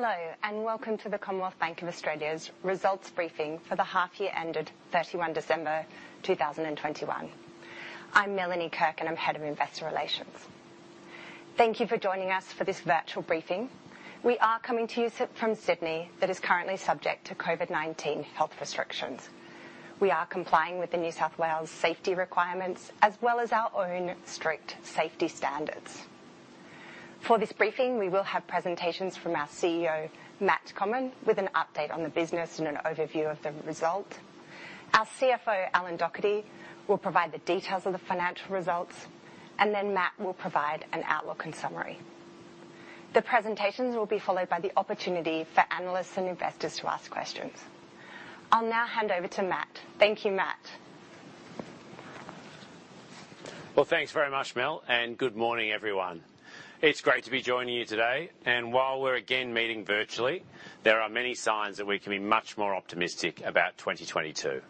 Hello, and welcome to the Commonwealth Bank of Australia's results briefing for the half year ended 31 December 2021. I'm Melanie Kirk, and I'm Head of Investor Relations. Thank you for joining us for this virtual briefing. We are coming to you from Sydney that is currently subject to COVID-19 health restrictions. We are complying with the New South Wales safety requirements as well as our own strict safety standards. For this briefing, we will have presentations from our CEO, Matt Comyn, with an update on the business and an overview of the result. Our CFO, Alan Docherty, will provide the details of the financial results, and then Matt will provide an outlook and summary. The presentations will be followed by the opportunity for analysts and investors to ask questions. I'll now hand over to Matt. Thank you, Matt. Well, thanks very much, Mel, and good morning, everyone. It's great to be joining you today. While we're again meeting virtually, there are many signs that we can be much more optimistic about 2022.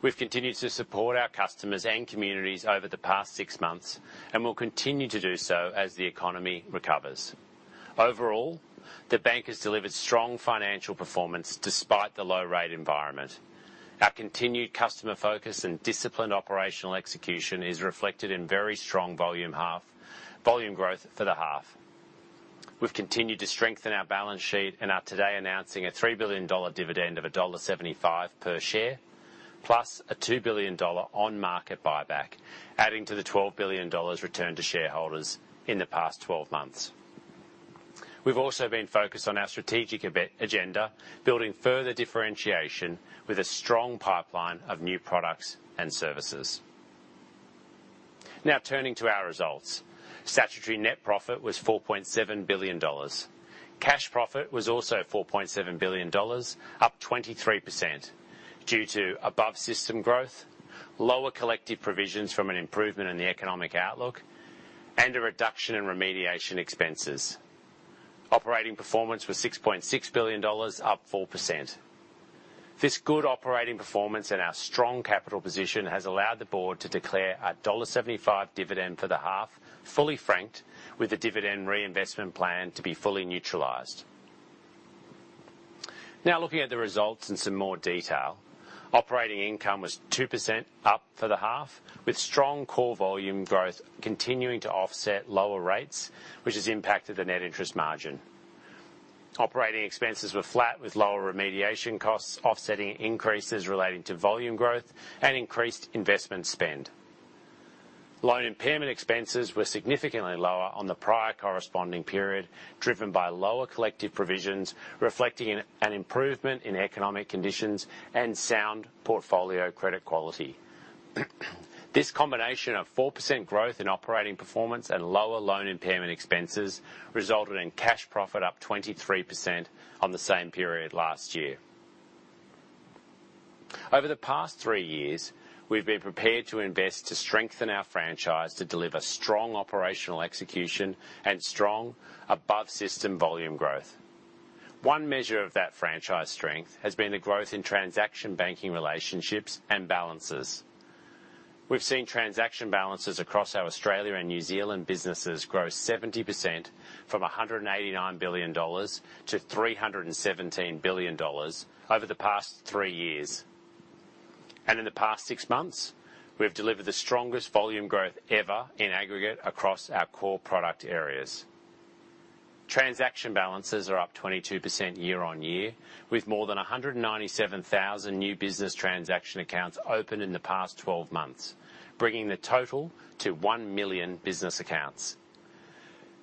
We've continued to support our customers and communities over the past six months and will continue to do so as the economy recovers. Overall, the bank has delivered strong financial performance despite the low-rate environment. Our continued customer focus and disciplined operational execution is reflected in very strong volume growth for the half. We've continued to strengthen our balance sheet and are today announcing an 3 billion dollar dividend of dollar 1.75 per share, plus an 2 billion dollar on-market buyback, adding to the 12 billion dollars returned to shareholders in the past 12 months. We've also been focused on our strategic agenda, building further differentiation with a strong pipeline of new products and services. Now turning to our results. Statutory net profit was 4.7 billion dollars. Cash profit was also 4.7 billion dollars, up 23% due to above-system growth, lower collective provisions from an improvement in the economic outlook, and a reduction in remediation expenses. Operating performance was 6.6 billion dollars, up 4%. This good operating performance and our strong capital position has allowed the board to declare a dollar 1.75 dividend for the half, fully franked, with the dividend reinvestment plan to be fully neutralized. Now looking at the results in some more detail. Operating income was 2% up for the half, with strong core volume growth continuing to offset lower rates, which has impacted the net interest margin. Operating expenses were flat with lower remediation costs offsetting increases relating to volume growth and increased investment spend. Loan impairment expenses were significantly lower on the prior corresponding period, driven by lower collective provisions, reflecting an improvement in economic conditions and sound portfolio credit quality. This combination of 4% growth in operating performance and lower loan impairment expenses resulted in cash profit up 23% on the same period last year. Over the past three years, we've been prepared to invest to strengthen our franchise to deliver strong operational execution and strong above-system volume growth. One measure of that franchise strength has been the growth in transaction banking relationships and balances. We've seen transaction balances across our Australia and New Zealand businesses grow 70% from 189 billion dollars to 317 billion dollars over the past three years. In the past six months, we have delivered the strongest volume growth ever in aggregate across our core product areas. Transaction balances are up 22% year on year, with more than 197,000 new business transaction accounts opened in the past 12 months, bringing the total to 1 million business accounts.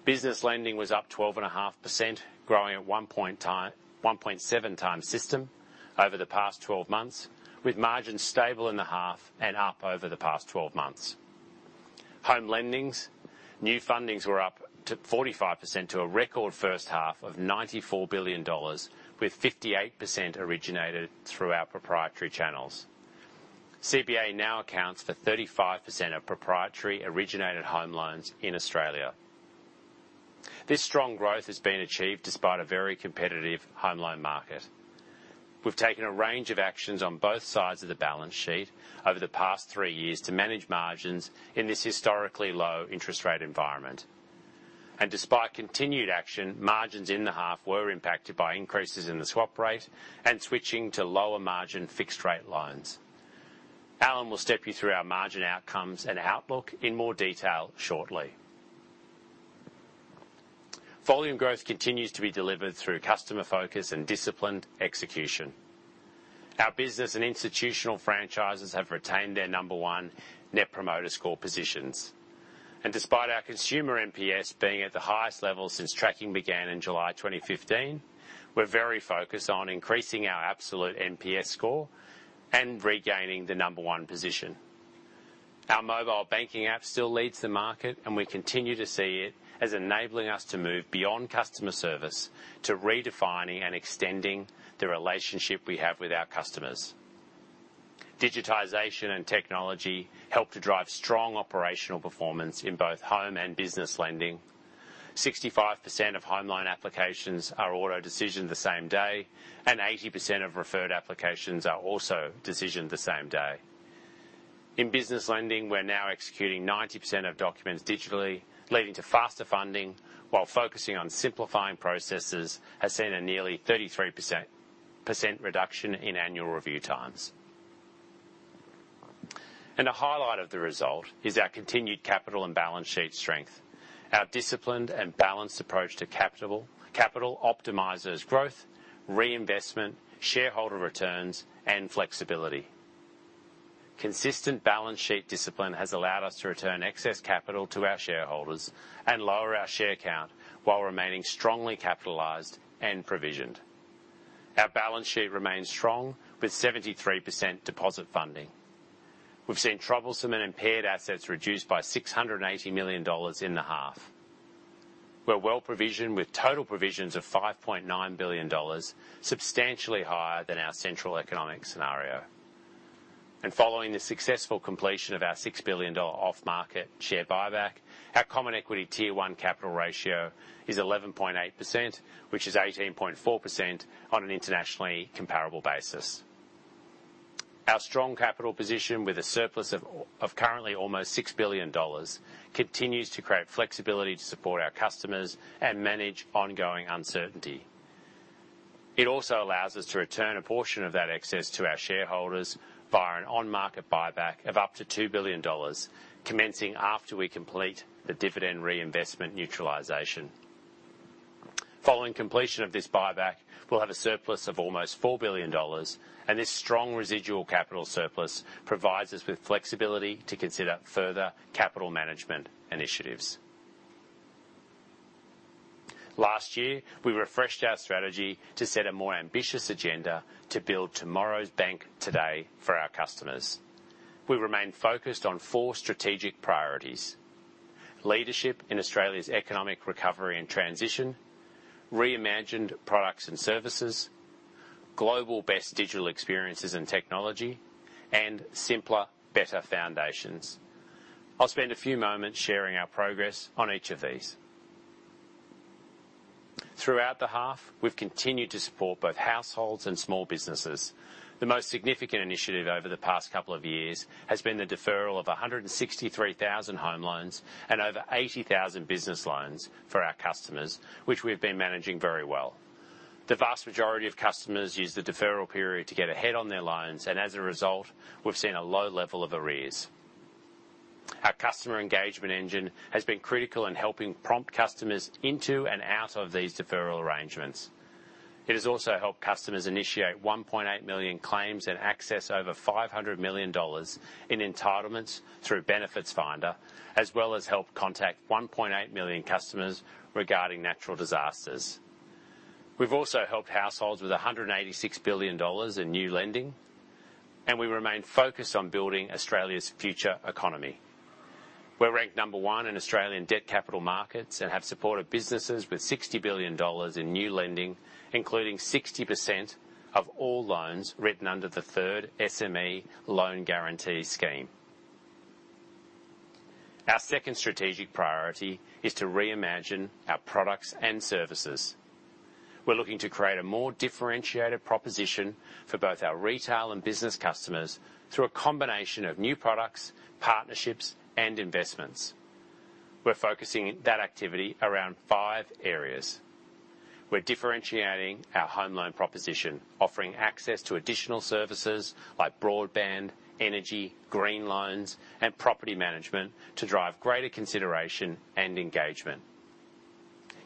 Business lending was up 12.5%, growing at 1.7x system over the past 12 months, with margins stable in the half and up over the past 12 months. Home lendings, new fundings were up 45% to a record first half of 94 billion dollars, with 58% originated through our proprietary channels. CBA now accounts for 35% of proprietary originated home loans in Australia. This strong growth has been achieved despite a very competitive home loan market. We've taken a range of actions on both sides of the balance sheet over the past three years to manage margins in this historically low interest rate environment. Despite continued action, margins in the half were impacted by increases in the swap rate and switching to lower margin fixed-rate loans. Alan will step you through our margin outcomes and outlook in more detail shortly. Volume growth continues to be delivered through customer focus and disciplined execution. Our business and institutional franchises have retained their number one Net Promoter Score positions. Despite our consumer NPS being at the highest level since tracking began in July 2015, we're very focused on increasing our absolute NPS score and regaining the number one position. Our mobile banking app still leads the market, and we continue to see it as enabling us to move beyond customer service to redefining and extending the relationship we have with our customers. Digitization and technology help to drive strong operational performance in both home and business lending. 65% of home loan applications are auto-decisioned the same day, and 80% of referred applications are also decisioned the same day. In business lending, we're now executing 90% of documents digitally, leading to faster funding, while focusing on simplifying processes has seen a nearly 33% reduction in annual review times. A highlight of the result is our continued capital and balance sheet strength. Our disciplined and balanced approach to capital optimizes growth, reinvestment, shareholder returns, and flexibility. Consistent balance sheet discipline has allowed us to return excess capital to our shareholders and lower our share count while remaining strongly capitalized and provisioned. Our balance sheet remains strong with 73% deposit funding. We've seen troublesome and impaired assets reduced by 680 million dollars in the half. We're well-provisioned with total provisions of 5.9 billion dollars, substantially higher than our central economic scenario. Following the successful completion of our 6 billion dollar off-market share buyback, our Common Equity Tier 1 capital ratio is 11.8%, which is 18.4% on an internationally comparable basis. Our strong capital position, with a surplus of currently almost 6 billion dollars, continues to create flexibility to support our customers and manage ongoing uncertainty. It also allows us to return a portion of that excess to our shareholders via an on-market buyback of up to 2 billion dollars, commencing after we complete the dividend reinvestment neutralization. Following completion of this buyback, we'll have a surplus of almost 4 billion dollars, and this strong residual capital surplus provides us with flexibility to consider further capital management initiatives. Last year, we refreshed our strategy to set a more ambitious agenda to build tomorrow's bank today for our customers. We remain focused on four strategic priorities. Leadership in Australia's economic recovery and transition, reimagined products and services, global best digital experiences and technology, and simpler, better foundations. I'll spend a few moments sharing our progress on each of these. Throughout the half, we've continued to support both households and small businesses. The most significant initiative over the past couple of years has been the deferral of 163,000 home loans and over 80,000 business loans for our customers, which we've been managing very well. The vast majority of customers use the deferral period to get ahead on their loans, and as a result, we've seen a low level of arrears. Our Customer Engagement Engine has been critical in helping prompt customers into and out of these deferral arrangements. It has also helped customers initiate 1.8 million claims and access over 500 million dollars in entitlements through Benefits Finder, as well as help contact 1.8 million customers regarding natural disasters. We've also helped households with 186 billion dollars in new lending, and we remain focused on building Australia's future economy. We're ranked number one in Australian debt capital markets and have supported businesses with 60 billion dollars in new lending, including 60% of all loans written under the third SME loan guarantee scheme. Our second strategic priority is to reimagine our products and services. We're looking to create a more differentiated proposition for both our retail and business customers through a combination of new products, partnerships, and investments. We're focusing that activity around five areas. We're differentiating our home loan proposition, offering access to additional services like broadband, energy, green loans, and property management to drive greater consideration and engagement.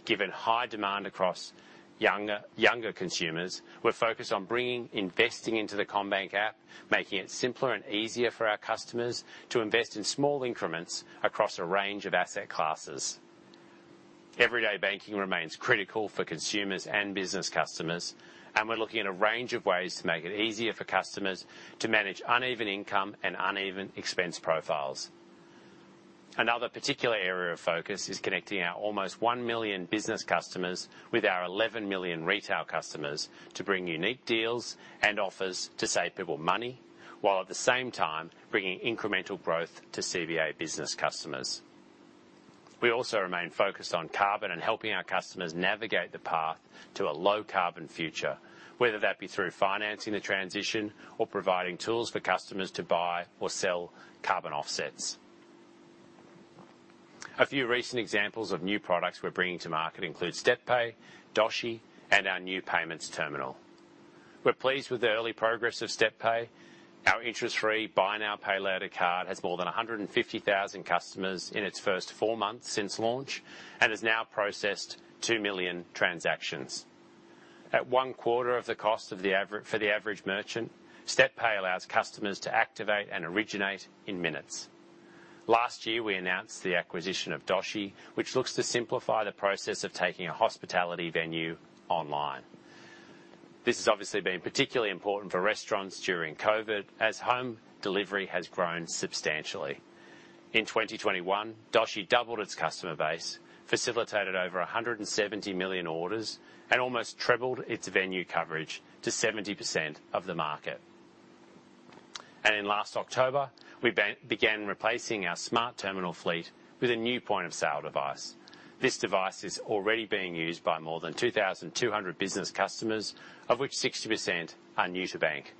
Given high demand across younger consumers, we're focused on bringing investing into the CommBank app, making it simpler and easier for our customers to invest in small increments across a range of asset classes. Everyday banking remains critical for consumers and business customers, and we're looking at a range of ways to make it easier for customers to manage uneven income and uneven expense profiles. Another particular area of focus is connecting our almost 1 million business customers with our 11 million retail customers to bring unique deals and offers to save people money, while at the same time, bringing incremental growth to CBA business customers. We also remain focused on carbon and helping our customers navigate the path to a low-carbon future, whether that be through financing the transition or providing tools for customers to buy or sell carbon offsets. A few recent examples of new products we're bringing to market include StepPay, Doshii, and our new payments terminal. We're pleased with the early progress of StepPay. Our interest-free buy now, pay later card has more than 150,000 customers in its first four months since launch and has now processed 2 million transactions. At one-quarter of the cost for the average merchant, StepPay allows customers to activate and originate in minutes. Last year, we announced the acquisition of Doshii, which looks to simplify the process of taking a hospitality venue online. This has obviously been particularly important for restaurants during COVID as home delivery has grown substantially. In 2021, Doshii doubled its customer base, facilitated over 170 million orders, and almost tripled its venue coverage to 70% of the market. In last October, we began replacing our smart terminal fleet with a new point-of-sale device. This device is already being used by more than 2,200 business customers, of which 60% are new to bank.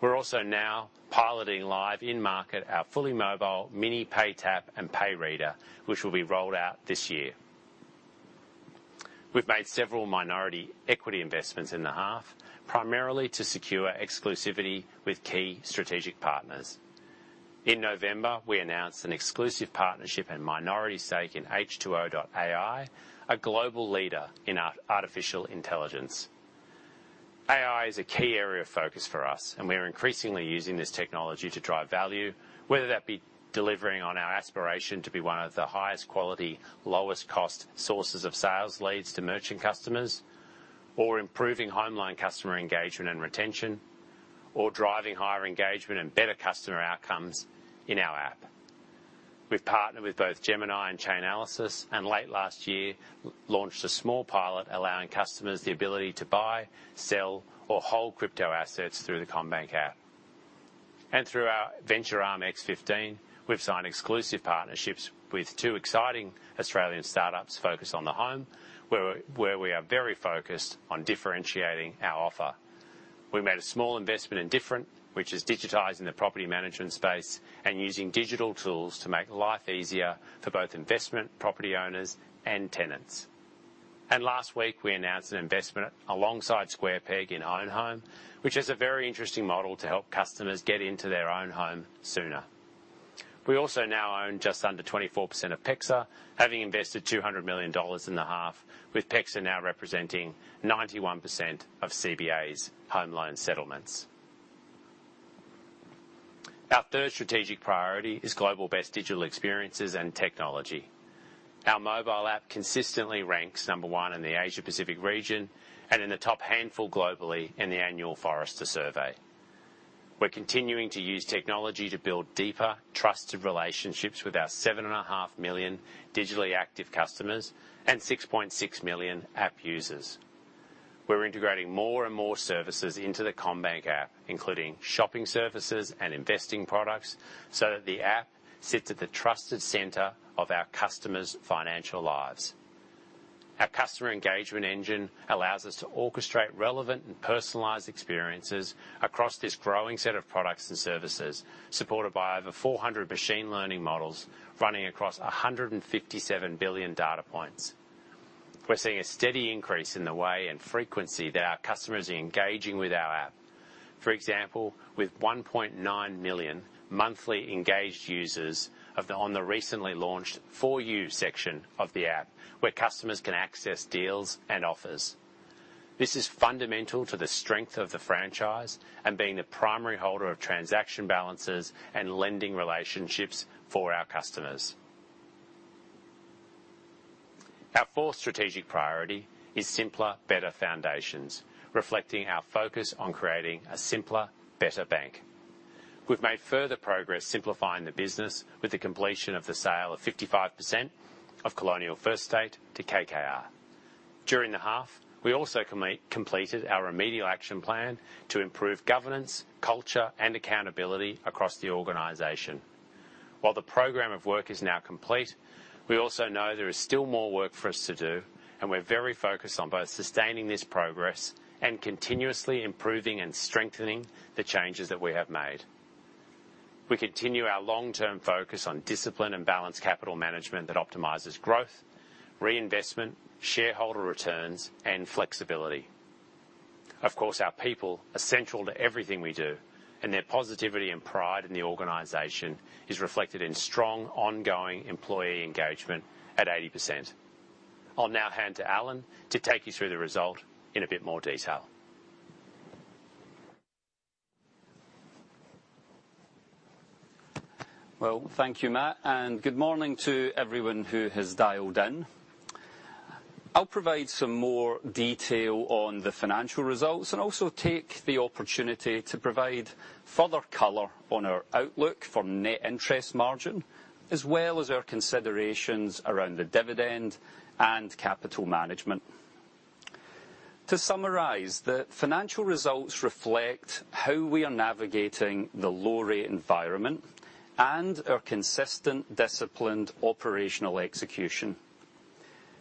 We're also now piloting live in market our fully mobile mini pay tap and pay reader, which will be rolled out this year. We've made several minority equity investments in the half, primarily to secure exclusivity with key strategic partners. In November, we announced an exclusive partnership and minority stake in H2O.ai, a global leader in artificial intelligence. AI is a key area of focus for us, and we are increasingly using this technology to drive value, whether that be delivering on our aspiration to be one of the highest quality, lowest cost sources of sales leads to merchant customers, or improving home loan customer engagement and retention, or driving higher engagement and better customer outcomes in our app. We've partnered with both Gemini and Chainalysis, and late last year launched a small pilot allowing customers the ability to buy, sell or hold crypto assets through the CommBank app. Through our venture arm x15ventures, we've signed exclusive partnerships with two exciting Australian startups focused on the home, where we are very focused on differentiating our offer. We made a small investment in Different, which is digitizing the property management space and using digital tools to make life easier for both investment property owners and tenants. Last week, we announced an investment alongside Square Peg in OwnHome, which is a very interesting model to help customers get into their own home sooner. We also now own just under 24% of PEXA, having invested 200 million dollars in the half, with PEXA now representing 91% of CBA's home loan settlements. Our third strategic priority is global best digital experiences and technology. Our mobile app consistently ranks number one in the Asia-Pacific region and in the top handful globally in the annual Forrester survey. We're continuing to use technology to build deeper, trusted relationships with our 7.5 million digitally active customers and 6.6 million app users. We're integrating more and more services into the CommBank app, including shopping services and investing products, so that the app sits at the trusted center of our customers' financial lives. Our Customer Engagement Engine allows us to orchestrate relevant and personalized experiences across this growing set of products and services, supported by over 400 machine learning models running across 157 billion data points. We're seeing a steady increase in the way and frequency that our customers are engaging with our app. For example, with 1.9 million monthly engaged users on the recently launched For You section of the app, where customers can access deals and offers. This is fundamental to the strength of the franchise and being the primary holder of transaction balances and lending relationships for our customers. Our fourth strategic priority is simpler, better foundations, reflecting our focus on creating a simpler, better bank. We've made further progress simplifying the business with the completion of the sale of 55% of Colonial First State to KKR. During the half, we also completed our remedial action plan to improve governance, culture and accountability across the organization. While the program of work is now complete, we also know there is still more work for us to do, and we're very focused on both sustaining this progress and continuously improving and strengthening the changes that we have made. We continue our long-term focus on discipline and balanced capital management that optimizes growth, reinvestment, shareholder returns, and flexibility. Of course, our people are central to everything we do, and their positivity and pride in the organization is reflected in strong ongoing employee engagement at 80%. I'll now hand to Alan to take you through the result in a bit more detail. Well, thank you, Matt, and good morning to everyone who has dialed in. I'll provide some more detail on the financial results and also take the opportunity to provide further color on our outlook for net interest margin, as well as our considerations around the dividend and capital management. To summarize, the financial results reflect how we are navigating the low-rate environment and our consistent, disciplined operational execution.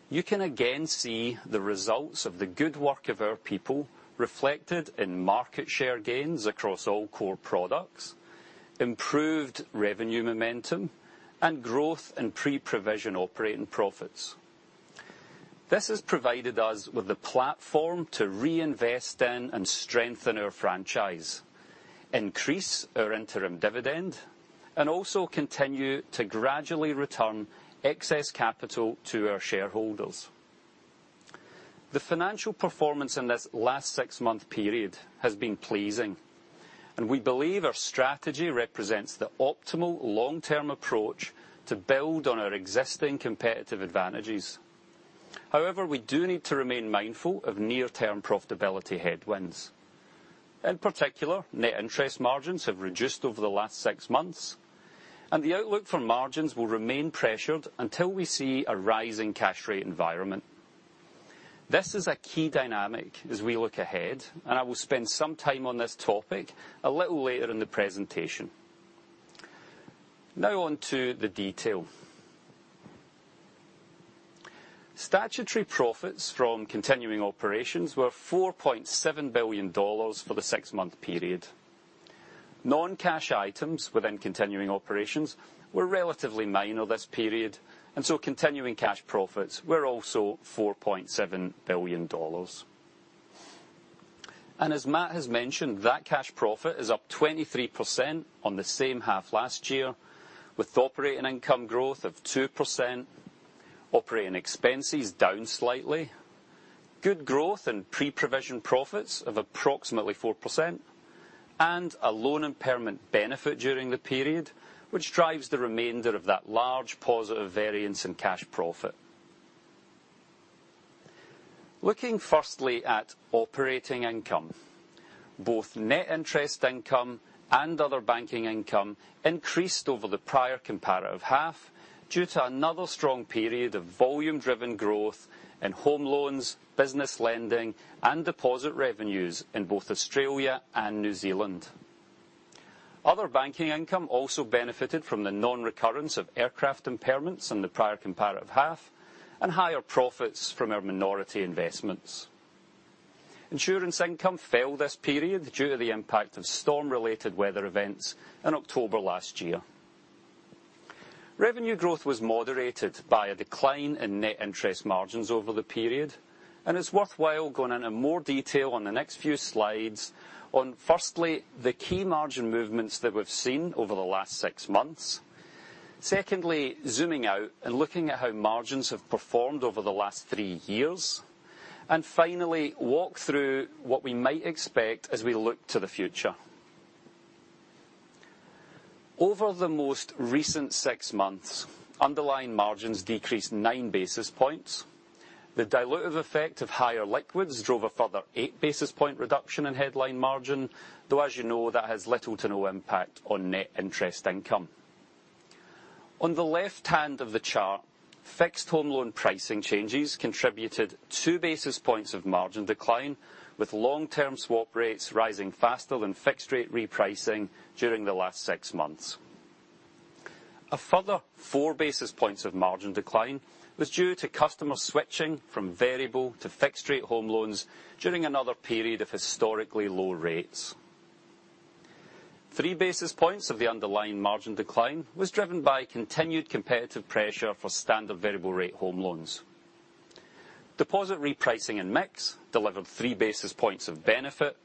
You can again see the results of the good work of our people reflected in market share gains across all core products, improved revenue momentum, and growth in pre-provision operating profits. This has provided us with the platform to reinvest in and strengthen our franchise, increase our interim dividend, and also continue to gradually return excess capital to our shareholders. The financial performance in this last six-month period has been pleasing, and we believe our strategy represents the optimal long-term approach to build on our existing competitive advantages. However, we do need to remain mindful of near-term profitability headwinds. In particular, net interest margins have reduced over the last six months, and the outlook for margins will remain pressured until we see a rise in cash rate environment. This is a key dynamic as we look ahead, and I will spend some time on this topic a little later in the presentation. Now on to the detail. Statutory profits from continuing operations were 4.7 billion dollars for the six-month period. Non-cash items within continuing operations were relatively minor this period, and so continuing cash profits were also 4.7 billion dollars. As Matt has mentioned, that cash profit is up 23% on the same half last year, with operating income growth of 2%, operating expenses down slightly, good growth in pre-provision profits of approximately 4%, and a loan impairment benefit during the period, which drives the remainder of that large positive variance in cash profit. Looking firstly at operating income. Both net interest income and other banking income increased over the prior comparative half due to another strong period of volume-driven growth in home loans, business lending, and deposit revenues in both Australia and New Zealand. Other banking income also benefited from the non-recurrence of aircraft impairments in the prior comparative half and higher profits from our minority investments. Insurance income fell this period due to the impact of storm-related weather events in October last year. Revenue growth was moderated by a decline in net interest margins over the period, and it's worthwhile going into more detail on the next few slides on, firstly, the key margin movements that we've seen over the last six months. Secondly, zooming out and looking at how margins have performed over the last three years. Finally, walk through what we might expect as we look to the future. Over the most recent six months, underlying margins decreased 9 basis points. The dilutive effect of higher liquids drove a further 8 basis points reduction in headline margin, though, as you know, that has little to no impact on net interest income. On the left-hand of the chart, fixed home loan pricing changes contributed 2 basis points of margin decline, with long-term swap rates rising faster than fixed rate repricing during the last six months. A further 4 basis points of margin decline was due to customers switching from variable to fixed-rate home loans during another period of historically low rates. 3 basis points of the underlying margin decline was driven by continued competitive pressure for standard variable rate home loans. Deposit repricing and mix delivered 3 basis points of benefit,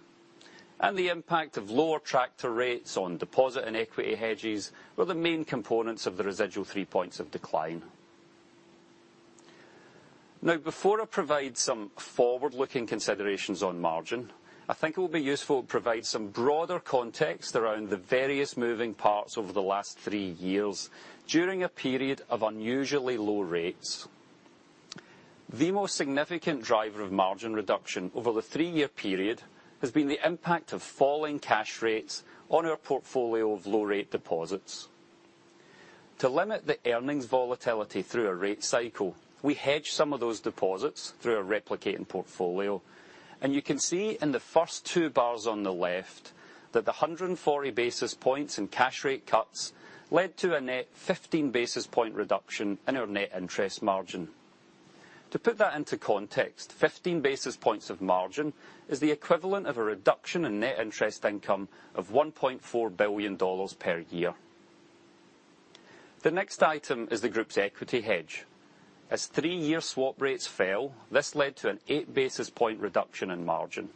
and the impact of lower tracker rates on deposit and equity hedges were the main components of the residual 3 points of decline. Now, before I provide some forward-looking considerations on margin, I think it will be useful to provide some broader context around the various moving parts over the last three years during a period of unusually low rates. The most significant driver of margin reduction over the three-year period has been the impact of falling cash rates on our portfolio of low-rate deposits. To limit the earnings volatility through a rate cycle, we hedge some of those deposits through a replicating portfolio, and you can see in the first two bars on the left that the 140 basis points in cash rate cuts led to a net 15 basis point reduction in our net interest margin. To put that into context, 15 basis points of margin is the equivalent of a reduction in net interest income of 1.4 billion dollars per year. The next item is the group's equity hedge. As three-year swap rates fell, this led to an 8 basis point reduction in margin.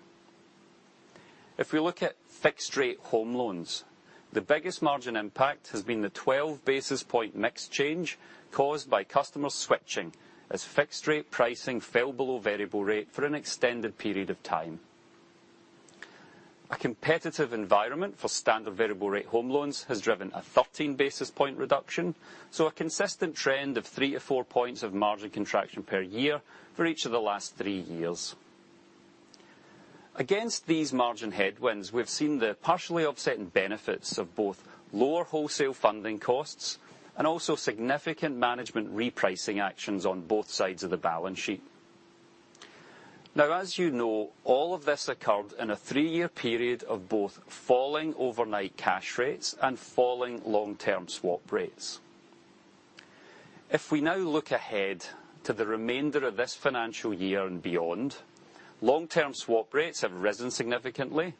If we look at fixed-rate home loans, the biggest margin impact has been the 12-basis-point mix change caused by customers switching as fixed-rate pricing fell below variable rate for an extended period of time. A competitive environment for standard variable rate home loans has driven a 13 basis point reduction, so a consistent trend of 3-4 points of margin contraction per year for each of the last three years. Against these margin headwinds, we've seen the partially offsetting benefits of both lower wholesale funding costs and also significant management repricing actions on both sides of the balance sheet. Now, as you know, all of this occurred in a three-year period of both falling overnight cash rates and falling long-term swap rates. If we now look ahead to the remainder of this financial year and beyond, long-term swap rates have risen significantly,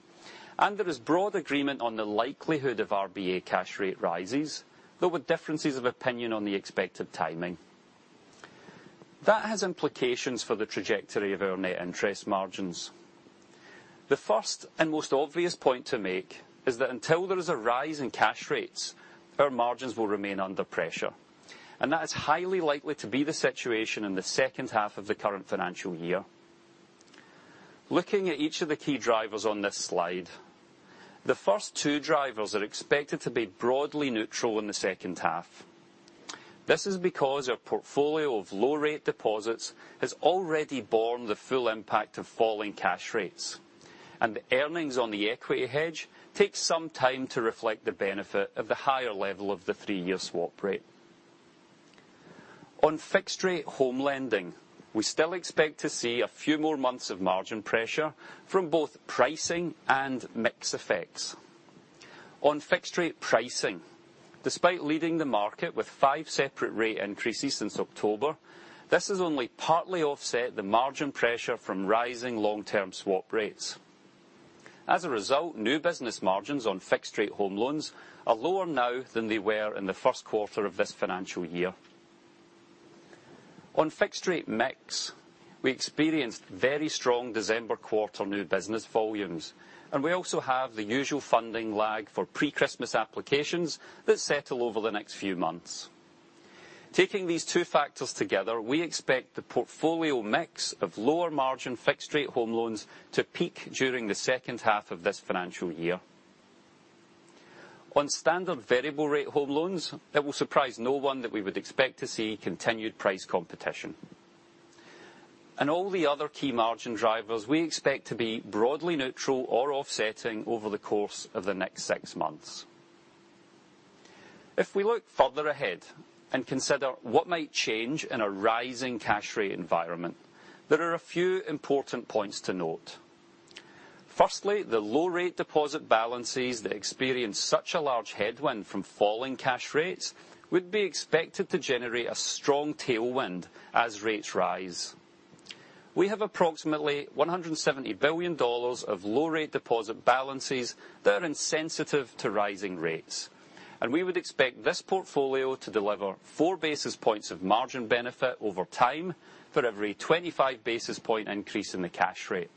and there is broad agreement on the likelihood of RBA cash rate rises, though with differences of opinion on the expected timing. That has implications for the trajectory of our net interest margins. The first and most obvious point to make is that until there is a rise in cash rates, our margins will remain under pressure, and that is highly likely to be the situation in the second half of the current financial year. Looking at each of the key drivers on this slide, the first two drivers are expected to be broadly neutral in the second half. This is because our portfolio of low-rate deposits has already borne the full impact of falling cash rates, and the earnings on the equity hedge takes some time to reflect the benefit of the higher level of the three-year swap rate. On fixed-rate home lending, we still expect to see a few more months of margin pressure from both pricing and mix effects. On fixed-rate pricing. Despite leading the market with five separate rate increases since October, this has only partly offset the margin pressure from rising long-term swap rates. As a result, new business margins on fixed-rate home loans are lower now than they were in the first quarter of this financial year. On fixed rate mix, we experienced very strong December quarter new business volumes, and we also have the usual funding lag for pre-Christmas applications that settle over the next few months. Taking these two factors together, we expect the portfolio mix of lower margin fixed rate home loans to peak during the second half of this financial year. On standard variable rate home loans, it will surprise no one that we would expect to see continued price competition. All the other key margin drivers we expect to be broadly neutral or offsetting over the course of the next six months. If we look further ahead and consider what might change in a rising cash rate environment, there are a few important points to note. Firstly, the low-rate deposit balances that experience such a large headwind from falling cash rates would be expected to generate a strong tailwind as rates rise. We have approximately 170 billion dollars of low-rate deposit balances that are insensitive to rising rates, and we would expect this portfolio to deliver 4 basis points of margin benefit over time for every 25 basis point increase in the cash rate.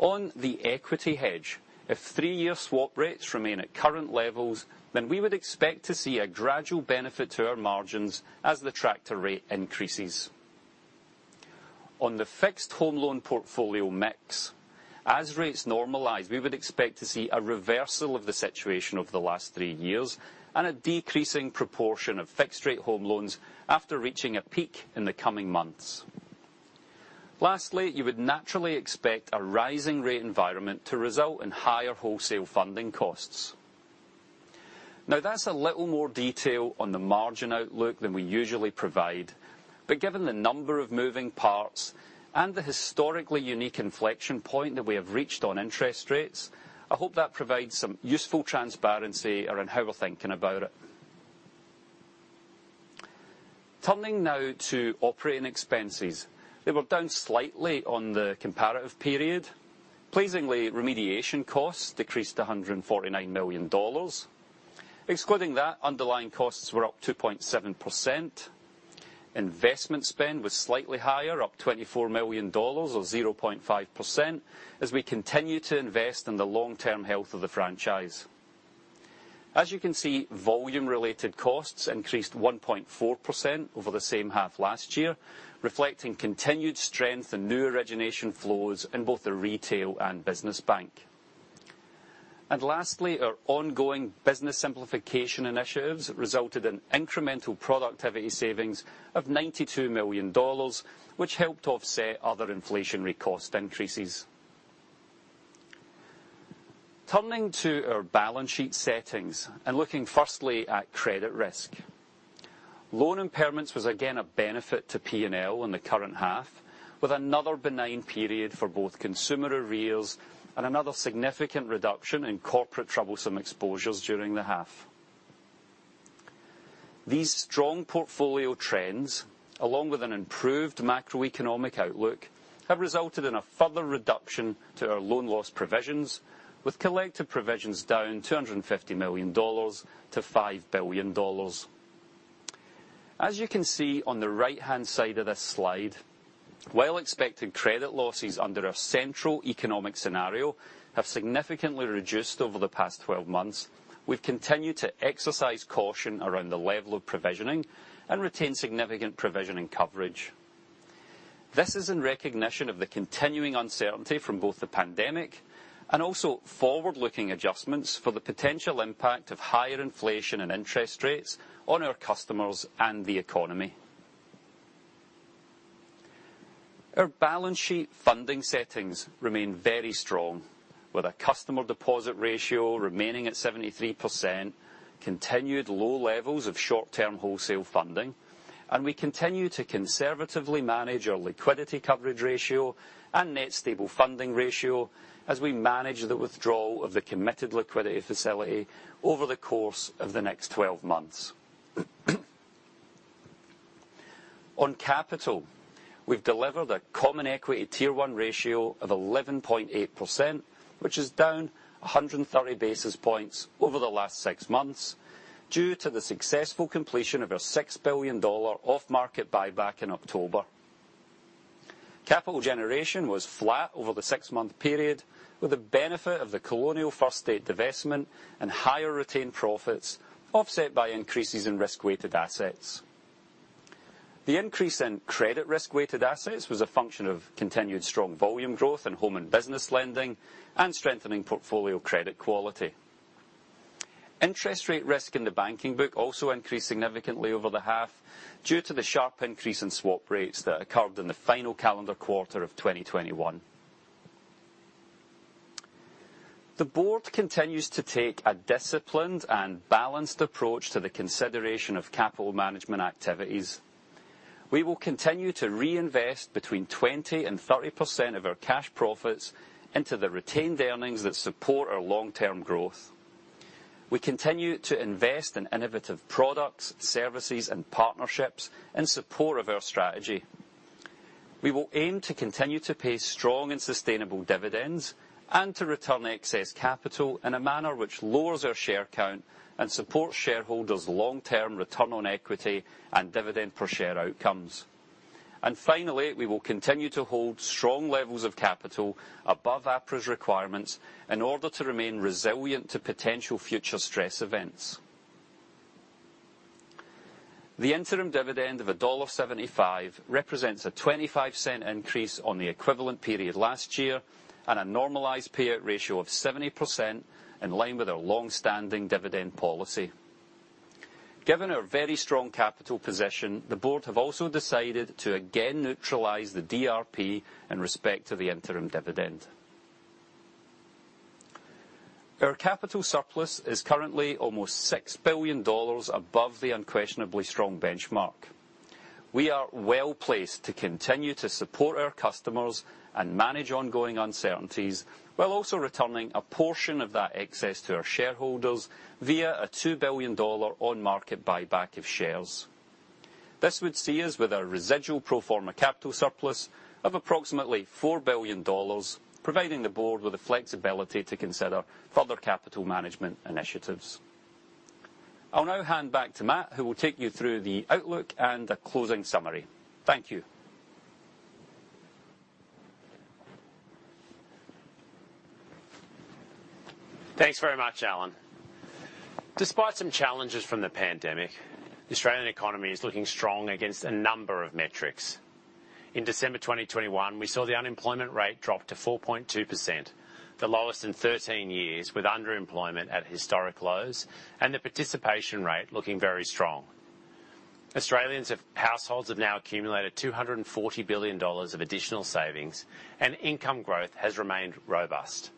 On the equity hedge, if three-year swap rates remain at current levels, then we would expect to see a gradual benefit to our margins as the tracker rate increases. On the fixed home loan portfolio mix, as rates normalize, we would expect to see a reversal of the situation over the last three years and a decreasing proportion of fixed-rate home loans after reaching a peak in the coming months. Lastly, you would naturally expect a rising rate environment to result in higher wholesale funding costs. Now, that's a little more detail on the margin outlook than we usually provide. But given the number of moving parts and the historically unique inflection point that we have reached on interest rates, I hope that provides some useful transparency around how we're thinking about it. Turning now to operating expenses. They were down slightly on the comparative period. Pleasingly, remediation costs decreased to 149 million dollars. Excluding that, underlying costs were up 2.7%. Investment spend was slightly higher, up 24 million dollars or 0.5% as we continue to invest in the long-term health of the franchise. As you can see, volume-related costs increased 1.4% over the same half last year, reflecting continued strength in new origination flows in both the retail and business bank. Lastly, our ongoing business simplification initiatives resulted in incremental productivity savings of 92 million dollars, which helped offset other inflationary cost increases. Turning to our balance sheet settings and looking firstly at credit risk. Loan impairments was again a benefit to P&L in the current half, with another benign period for both consumer arrears and another significant reduction in corporate troublesome exposures during the half. These strong portfolio trends, along with an improved macroeconomic outlook, have resulted in a further reduction to our loan loss provisions, with collective provisions down 250 million dollars to 5 billion dollars. As you can see on the right-hand side of this slide, while expected credit losses under our central economic scenario have significantly reduced over the past 12 months, we've continued to exercise caution around the level of provisioning and retain significant provisioning coverage. This is in recognition of the continuing uncertainty from both the pandemic and also forward-looking adjustments for the potential impact of higher inflation and interest rates on our customers and the economy. Our balance sheet funding settings remain very strong, with our customer deposit ratio remaining at 73%, continued low levels of short-term wholesale funding, and we continue to conservatively manage our liquidity coverage ratio and net stable funding ratio as we manage the withdrawal of the Committed Liquidity Facility over the course of the next 12 months. On capital, we've delivered a Common Equity Tier 1 ratio of 11.8%, which is down 130 basis points over the last six months due to the successful completion of our 6 billion dollar off-market buyback in October. Capital generation was flat over the six-month period, with the benefit of the Colonial First State divestment and higher retained profits offset by increases in risk-weighted assets. The increase in credit risk-weighted assets was a function of continued strong volume growth in home and business lending and strengthening portfolio credit quality. Interest Rate Risk in the Banking Book also increased significantly over the half due to the sharp increase in swap rates that occurred in the final calendar quarter of 2021. The board continues to take a disciplined and balanced approach to the consideration of capital management activities. We will continue to reinvest between 20% and 30% of our cash profits into the retained earnings that support our long-term growth. We continue to invest in innovative products, services, and partnerships in support of our strategy. We will aim to continue to pay strong and sustainable dividends and to return excess capital in a manner which lowers our share count and supports shareholders' long-term return on equity and dividend per share outcomes. Finally, we will continue to hold strong levels of capital above APRA's requirements in order to remain resilient to potential future stress events. The interim dividend of dollar 1.75 represents a 0.25 increase on the equivalent period last year and a normalized payout ratio of 70% in line with our long-standing dividend policy. Given our very strong capital position, the board have also decided to again neutralize the DRP in respect to the interim dividend. Our capital surplus is currently almost 6 billion dollars above the unquestionably strong benchmark. We are well-placed to continue to support our customers and manage ongoing uncertainties while also returning a portion of that excess to our shareholders via a 2 billion dollar on-market buyback of shares. This would see us with our residual pro forma capital surplus of approximately 4 billion dollars, providing the board with the flexibility to consider further capital management initiatives. I'll now hand back to Matt, who will take you through the outlook and a closing summary. Thank you. Thanks very much, Alan. Despite some challenges from the pandemic, the Australian economy is looking strong against a number of metrics. In December 2021, we saw the unemployment rate drop to 4.2%, the lowest in 13 years, with underemployment at historic lows and the participation rate looking very strong. Households have now accumulated 240 billion dollars of additional savings, and income growth has remained robust.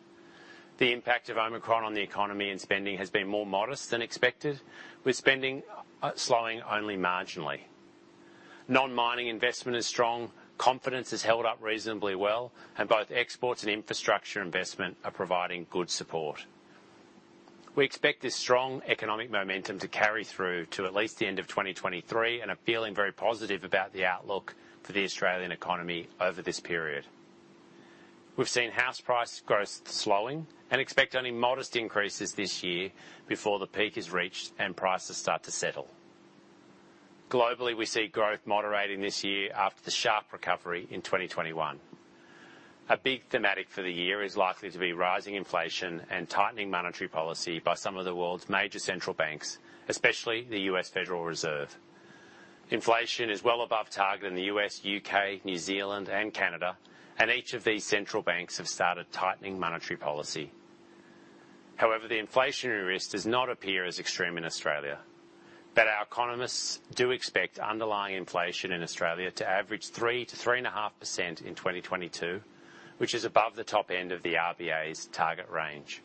The impact of Omicron on the economy and spending has been more modest than expected, with spending slowing only marginally. Non-mining investment is strong, confidence has held up reasonably well, and both exports and infrastructure investment are providing good support. We expect this strong economic momentum to carry through to at least the end of 2023, and are feeling very positive about the outlook for the Australian economy over this period. We've seen house price growth slowing and expect only modest increases this year before the peak is reached and prices start to settle. Globally, we see growth moderating this year after the sharp recovery in 2021. A big thematic for the year is likely to be rising inflation and tightening monetary policy by some of the world's major central banks, especially the U.S. Federal Reserve. Inflation is well above target in the U.S., U.K., New Zealand, and Canada, and each of these central banks have started tightening monetary policy. However, the inflationary risk does not appear as extreme in Australia. Our economists do expect underlying inflation in Australia to average 3%-3.5% in 2022, which is above the top end of the RBA's target range.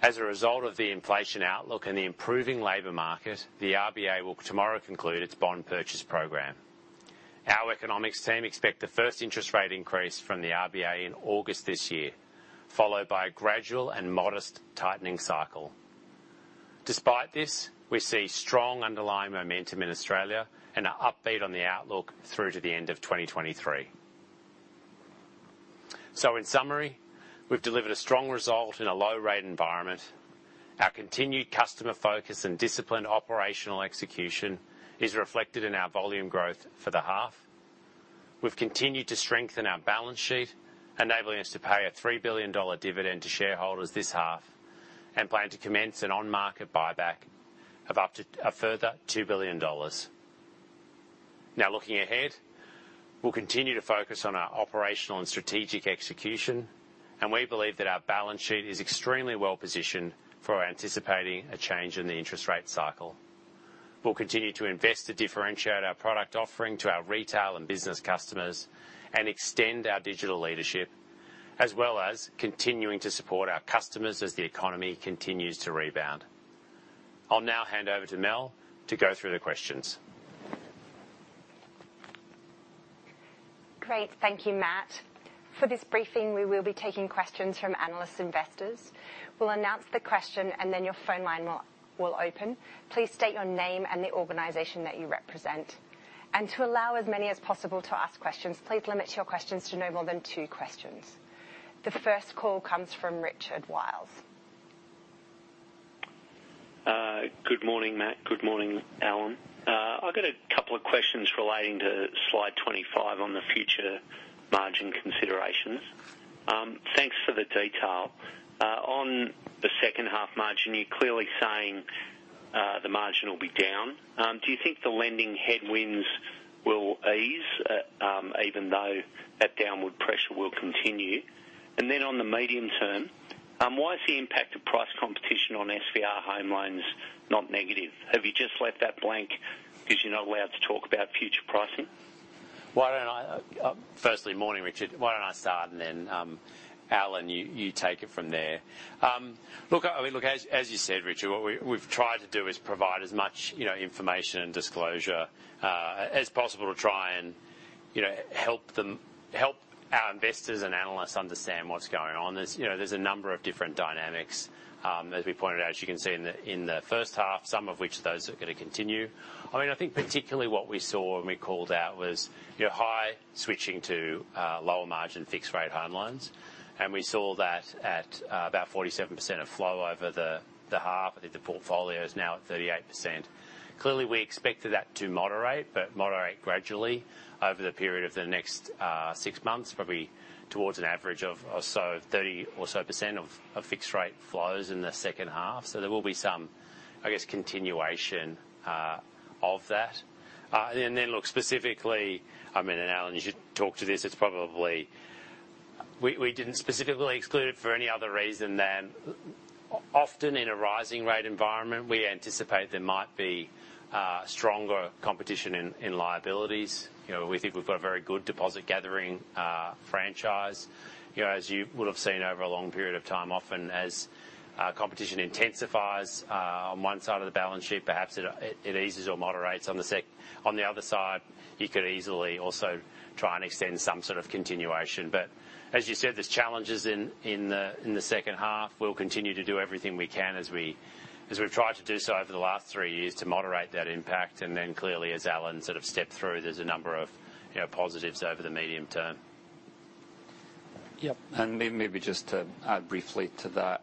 As a result of the inflation outlook and the improving labor market, the RBA will tomorrow conclude its bond purchase program. Our economics team expect the first interest rate increase from the RBA in August this year, followed by a gradual and modest tightening cycle. Despite this, we see strong underlying momentum in Australia and are upbeat on the outlook through to the end of 2023. In summary, we've delivered a strong result in a low-rate environment. Our continued customer focus and disciplined operational execution is reflected in our volume growth for the half. We've continued to strengthen our balance sheet, enabling us to pay a 3 billion dollar dividend to shareholders this half, and plan to commence an on-market buyback of up to a further 2 billion dollars. Now looking ahead, we'll continue to focus on our operational and strategic execution, and we believe that our balance sheet is extremely well-positioned for anticipating a change in the interest rate cycle. We'll continue to invest to differentiate our product offering to our retail and business customers and extend our digital leadership, as well as continuing to support our customers as the economy continues to rebound. I'll now hand over to Mel to go through the questions. Great. Thank you, Matt. For this briefing, we will be taking questions from analysts and investors. We'll announce the question and then your phone line will open. Please state your name and the organization that you represent. To allow as many as possible to ask questions, please limit your questions to no more than two questions. The first call comes from Richard Wiles. Good morning, Matt. Good morning, Alan. I've got a couple of questions relating to slide 25 on the future margin considerations. Thanks for the detail. On the second half margin, you're clearly saying the margin will be down. Do you think the lending headwinds will ease even though that downward pressure will continue? On the medium term, why is the impact of price competition on SVR home loans not negative? Have you just left that blank because you're not allowed to talk about future pricing? Why don't I. Firstly, morning, Richard. Why don't I start and then, Alan, you take it from there. Look, I mean, look, as you said, Richard, what we've tried to do is provide as much, you know, information and disclosure as possible to try and, you know, help our investors and analysts understand what's going on. There's, you know, there's a number of different dynamics, as we pointed out, as you can see in the first half, some of which those are gonna continue. I mean, I think particularly what we saw when we called out was, you know, high switching to lower margin fixed rate home loans. We saw that at about 47% of flow over the half. I think the portfolio is now at 38%. Clearly, we expected that to moderate, but moderate gradually over the period of the next six months, probably towards an average of also 30% or so of fixed rate flows in the second half. There will be some, I guess, continuation of that. Look, specifically, I mean, and Alan, you should talk to this, it's probably we didn't specifically exclude it for any other reason than often in a rising rate environment, we anticipate there might be stronger competition in liabilities. You know, we think we've got a very good deposit gathering franchise. You know, as you would have seen over a long period of time, often as competition intensifies on one side of the balance sheet, perhaps it eases or moderates on the sec. On the other side, you could easily also try and extend some sort of continuation. As you said, there's challenges in the second half. We'll continue to do everything we can as we've tried to do so over the last three years to moderate that impact. Then clearly, as Alan sort of stepped through, there's a number of, you know, positives over the medium term. Yep. Maybe just to add briefly to that.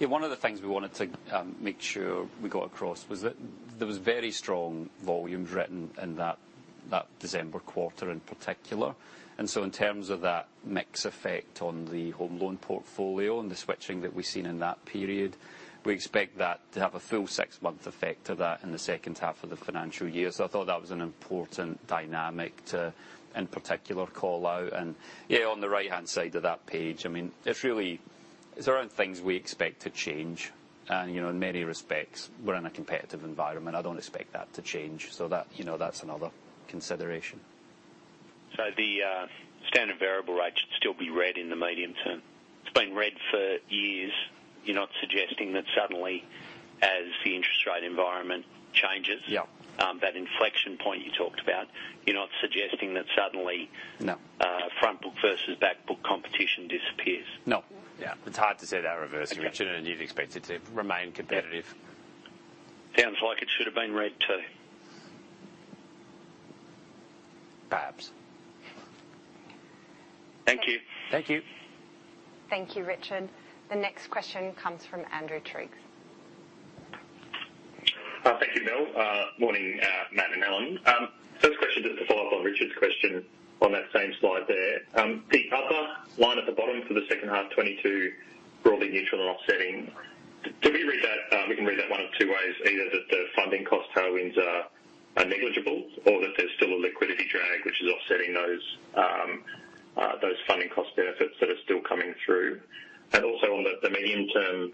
One of the things we wanted to make sure we got across was that there was very strong volumes written in that December quarter in particular. In terms of that mix effect on the home loan portfolio and the switching that we've seen in that period, we expect that to have a full six-month effect of that in the second half of the financial year. I thought that was an important dynamic to, in particular, call out. On the right-hand side of that page, I mean, it's really. There aren't things we expect to change. You know, in many respects, we're in a competitive environment. I don't expect that to change. That, you know, that's another consideration. The standard variable rate should still be reined in in the medium term. It's been reined in for years. You're not suggesting that suddenly, as the interest rate environment changes? Yeah. That inflection point you talked about, you're not suggesting that suddenly. No. Front book versus back book competition disappears. No. Yeah. It's hard to see that reversing, Richard, and you'd expect it to remain competitive. Sounds like it should have been red, too. Perhaps. Thank you. Thank you. Thank you, Richard. The next question comes from Andrew Triggs. Thank you, Mel. Morning, Matt and Alan. First question, just to follow up on Richard's question on that same slide there. The other line at the bottom for the second half, 2022, broadly neutral and offsetting. Do we read that we can read that one of two ways, either that the funding cost tailwinds are negligible or that there's still a liquidity drag, which is offsetting those those funding cost benefits that are still coming through. Also on the medium-term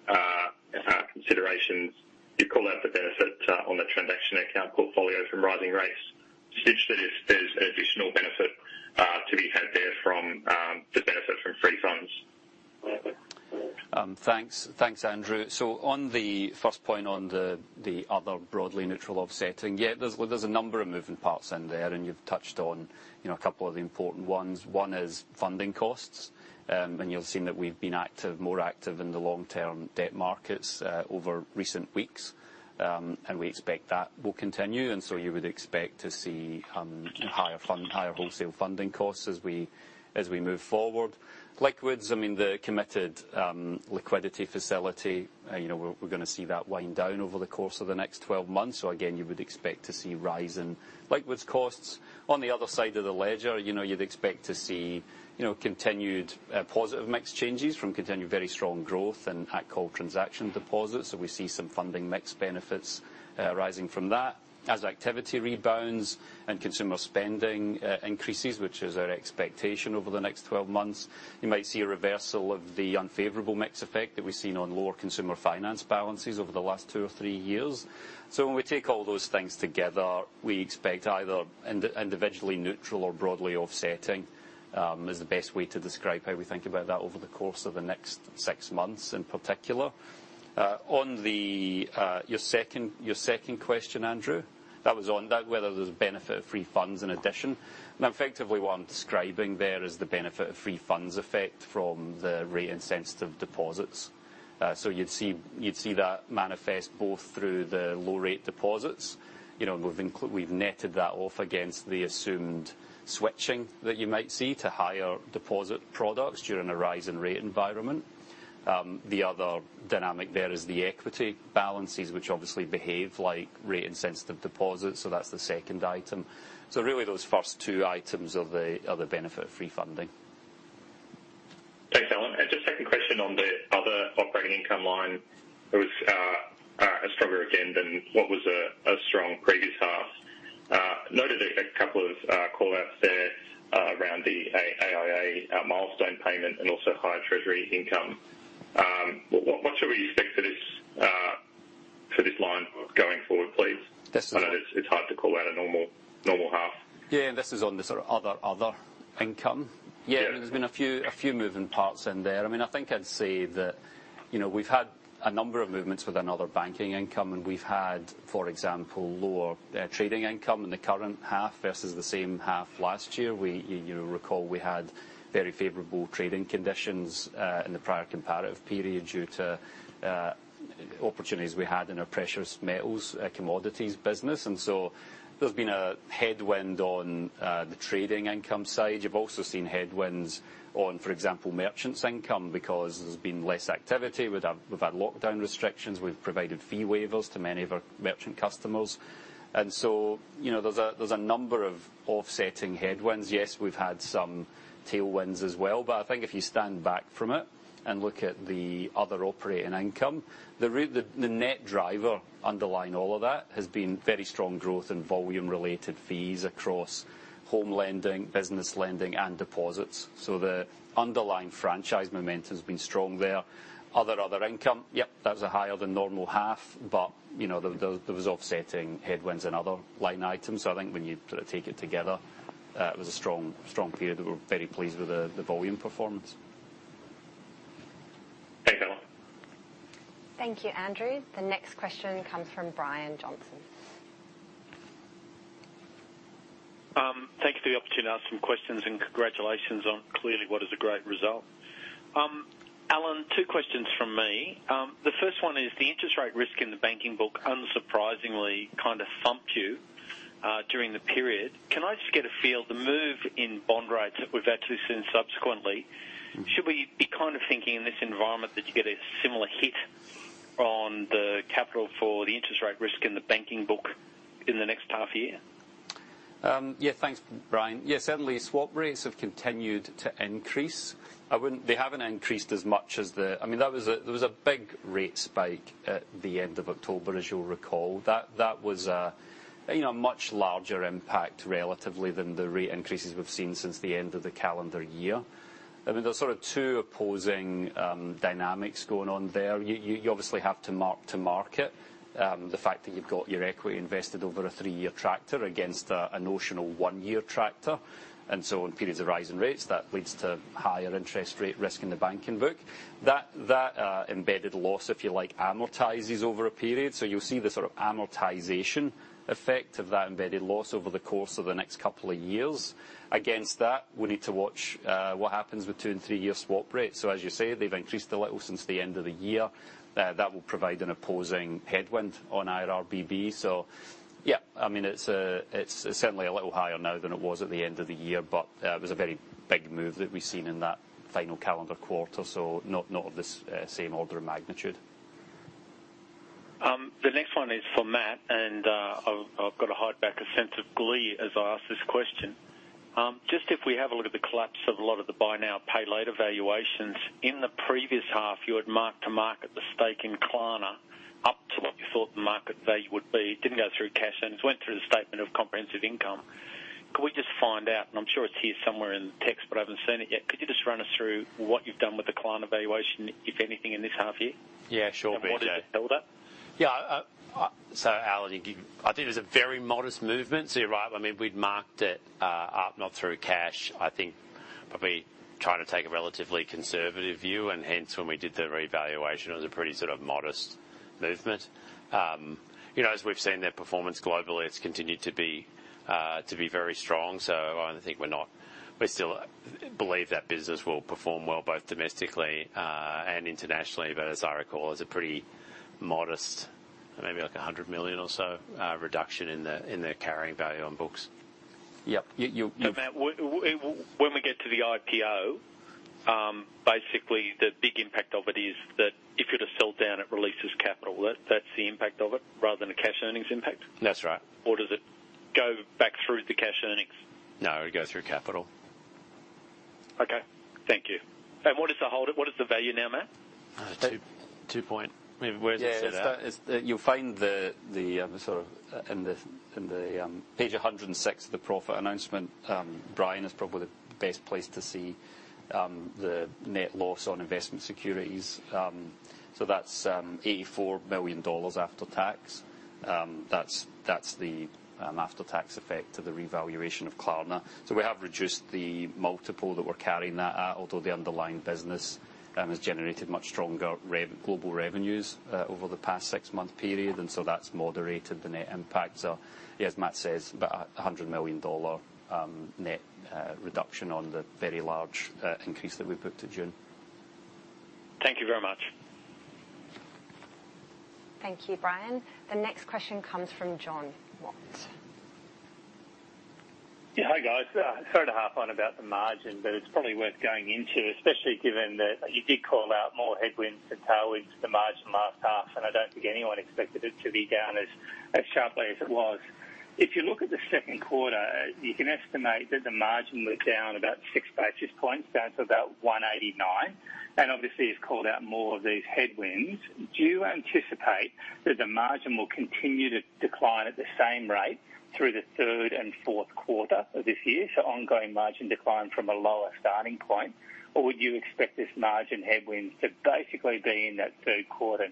considerations, you call out the benefit on the transaction account portfolio from rising rates. Suggest there's additional benefit to be had there from the benefit from free funds. Thanks. Thanks, Andrew. On the first point on the other broadly neutral offsetting, yeah, there's, well, there's a number of moving parts in there, and you've touched on, you know, a couple of the important ones. One is funding costs, and you'll have seen that we've been active, more active in the long-term debt markets, over recent weeks. We expect that will continue. You would expect to see higher funding, higher wholesale funding costs as we move forward. Liquidity, I mean, the Committed Liquidity Facility, you know, we're gonna see that wind down over the course of the next 12 months. Again, you would expect to see rise in liquidity costs. On the other side of the ledger, you know, you'd expect to see, you know, continued positive mix changes from continued very strong growth in at-call transaction deposits. So we see some funding mix benefits rising from that. As activity rebounds and consumer spending increases, which is our expectation over the next 12 months, you might see a reversal of the unfavorable mix effect that we've seen on lower consumer finance balances over the last two or three years. So when we take all those things together, we expect either individually neutral or broadly offsetting is the best way to describe how we think about that over the course of the next six months, in particular. On your second question, Andrew, that was on that, whether there's benefit of free funds in addition. Effectively, what I'm describing there is the benefit of free funds effect from the rate-insensitive deposits. You'd see that manifest both through the low-rate deposits. You know, we've netted that off against the assumed switching that you might see to higher deposit products during a rise in rate environment. The other dynamic there is the equity balances, which obviously behave like rate-insensitive deposits. That's the second item. Really those first two items are the benefit of free funding. Thanks, Alan. Just second question on the other operating income line. It was stronger again than what was a strong previous half. Noted a couple of call-outs there around the AIA milestone payment and also higher treasury income. What should we- Going forward, please. Yes. I know it's hard to call out a normal half. Yeah, this is on the sort of other income. Yeah. Yeah. I mean, there's been a few moving parts in there. I mean, I think I'd say that, you know, we've had a number of movements with other banking income, and we've had, for example, lower trading income in the current half versus the same half last year. You'll recall we had very favorable trading conditions in the prior comparative period due to opportunities we had in our precious metals commodities business. There's been a headwind on the trading income side. You've also seen headwinds on, for example, merchants income, because there's been less activity. We've had lockdown restrictions. We've provided fee waivers to many of our merchant customers. You know, there's a number of offsetting headwinds. Yes, we've had some tailwinds as well. I think if you stand back from it and look at the other operating income, the net driver underlying all of that has been very strong growth in volume-related fees across home lending, business lending, and deposits. The underlying franchise momentum has been strong there. Other income. Yep, that's a higher than normal half, but you know, there was offsetting headwinds in other line items. I think when you take it together, it was a strong period. We were very pleased with the volume performance. Thanks, Alan. Thank you, Andrew. The next question comes from Brian Johnson. Thank you for the opportunity to ask some questions and congratulations on clearly what is a great result. Alan, two questions from me. The first one is the Interest Rate Risk in the Banking Book unsurprisingly kind of thumped you during the period. Can I just get a feel, the move in bond rates that we've actually seen subsequently. Mm. Should we be kind of thinking in this environment that you get a similar hit on the capital for the Interest Rate Risk in the Banking Book in the next half year? Yeah. Thanks, Brian. Yeah, certainly swap rates have continued to increase. They haven't increased as much. I mean, there was a big rate spike at the end of October, as you'll recall. That embedded loss, if you like, amortizes over a period. You'll see the sort of amortization effect of that embedded loss over the course of the next couple of years. Against that, we need to watch what happens with two and three-year swap rates. As you say, they've increased a little since the end of the year. That will provide an opposing headwind on IRBB. Yeah. I mean, it's certainly a little higher now than it was at the end of the year, but it was a very big move that we've seen in that final calendar quarter, so not of the same order of magnitude. The next one is for Matt, and I've got to hold back a sense of glee as I ask this question. Just if we have a look at the collapse of a lot of the buy now, pay later valuations. In the previous half, you had marked to market the stake in Klarna up to what you thought the market value would be. Didn't go through cash earnings. Went through the statement of comprehensive income. Could we just find out, and I'm sure it's here somewhere in the text, but I haven't seen it yet. Could you just run us through what you've done with the Klarna valuation, if anything, in this half year? Yeah, sure, BJ. What is it held at? Yeah. Alan, you I think there's a very modest movement. You're right. I mean, we'd marked it up, not through cash. I think probably trying to take a relatively conservative view, and hence when we did the revaluation, it was a pretty sort of modest movement. You know, as we've seen their performance globally, it's continued to be very strong. I think we still believe that business will perform well, both domestically and internationally. As I recall, it's a pretty modest, maybe like 100 million or so, reduction in their carrying value on books. Yep. You. Matt, when we get to the IPO, basically the big impact of it is that if you're to sell down, it releases capital. That, that's the impact of it rather than a cash earnings impact? That's right. Does it go back through the cash earnings? No, it would go through capital. Okay. Thank you. What is the holdup? What is the value now, Matt? 2.2. Where does it set out? Yeah. You'll find the sort of in the page 106 of the profit announcement, Brian, is probably the best place to see the net loss on investment securities. That's 84 million dollars after tax. That's the after-tax effect of the revaluation of Klarna. We have reduced the multiple that we're carrying that at, although the underlying business has generated much stronger global revenues over the past six-month period, and that's moderated the net impact. Yes, Matt says about 100 million dollar net reduction on the very large increase that we booked to June. Thank you very much. Thank you, Brian. The next question comes from Jonathan Mott. Yeah. Hi, guys. Sorry to harp on about the margin, but it's probably worth going into, especially given that you did call out more headwinds than tailwinds for the margin last half, and I don't think anyone expected it to be down as sharply as it was. If you look at the second quarter, you can estimate that the margin was down about 6 basis points, down to about 189, and obviously has called out more of these headwinds. Do you anticipate that the margin will continue to decline at the same rate through the third and fourth quarter of this year, so ongoing margin decline from a lower starting point? Or would you expect this margin headwind to basically be in that second quarter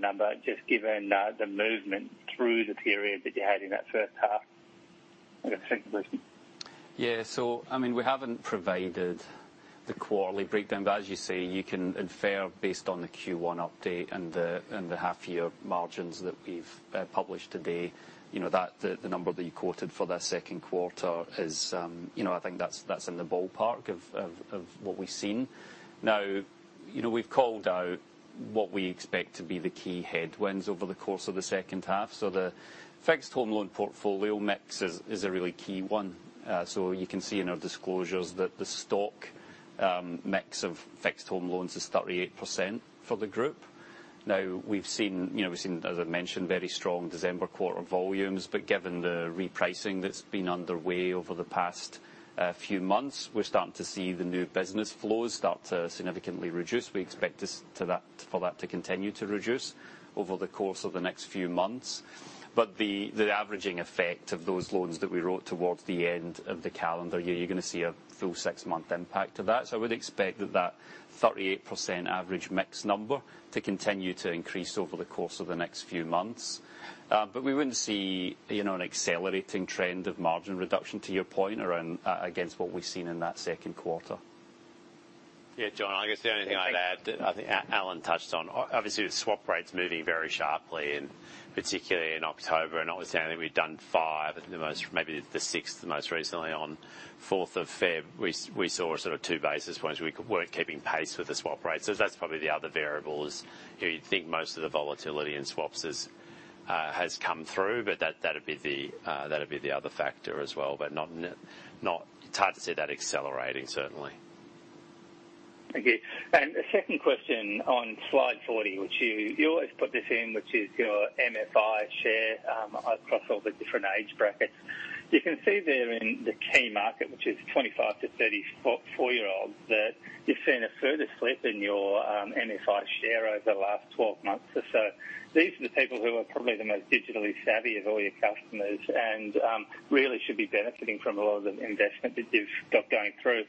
number, just given the movement through the period that you had in that first half? Okay. Thank you, guys. Yeah. I mean, we haven't provided the quarterly breakdown, but as you say, you can infer based on the Q1 update and the half-year margins that we've published today, you know, that the number that you quoted for the second quarter is, you know, I think that's in the ballpark of what we've seen. Now, you know, we've called out what we expect to be the key headwinds over the course of the second half. The fixed home loan portfolio mix is a really key one. You can see in our disclosures that the stock mix of fixed home loans is 38% for the group. Now, we've seen, as I mentioned, very strong December quarter volumes, but given the repricing that's been underway over the past few months, we're starting to see the new business flows start to significantly reduce. We expect for that to continue to reduce over the course of the next few months. The averaging effect of those loans that we wrote towards the end of the calendar year, you're gonna see a full six-month impact to that. I would expect that 38% average mix number to continue to increase over the course of the next few months. But we wouldn't see an accelerating trend of margin reduction to your point around against what we've seen in that second quarter. Yeah, Jon, I guess the only thing I'd add. I think Alan touched on. Obviously, the swap rate's moving very sharply, particularly in October. Obviously, I think we've done five at the most, maybe the 6th most recently on 4th of February. We saw a sort of 2 basis points. We weren't keeping pace with the swap rates. That's probably the other variable. You'd think most of the volatility in swaps has come through, but that'd be the other factor as well. It's hard to see that accelerating, certainly. Thank you. A second question on slide 40, which you always put this in, which is your MFI share, across all the different age brackets. You can see there in the key market, which is 25-34-year-olds, that you've seen a further slip in your MFI share over the last 12 months or so. These are the people who are probably the most digitally savvy of all your customers and really should be benefiting from a lot of the investment that you've got going through.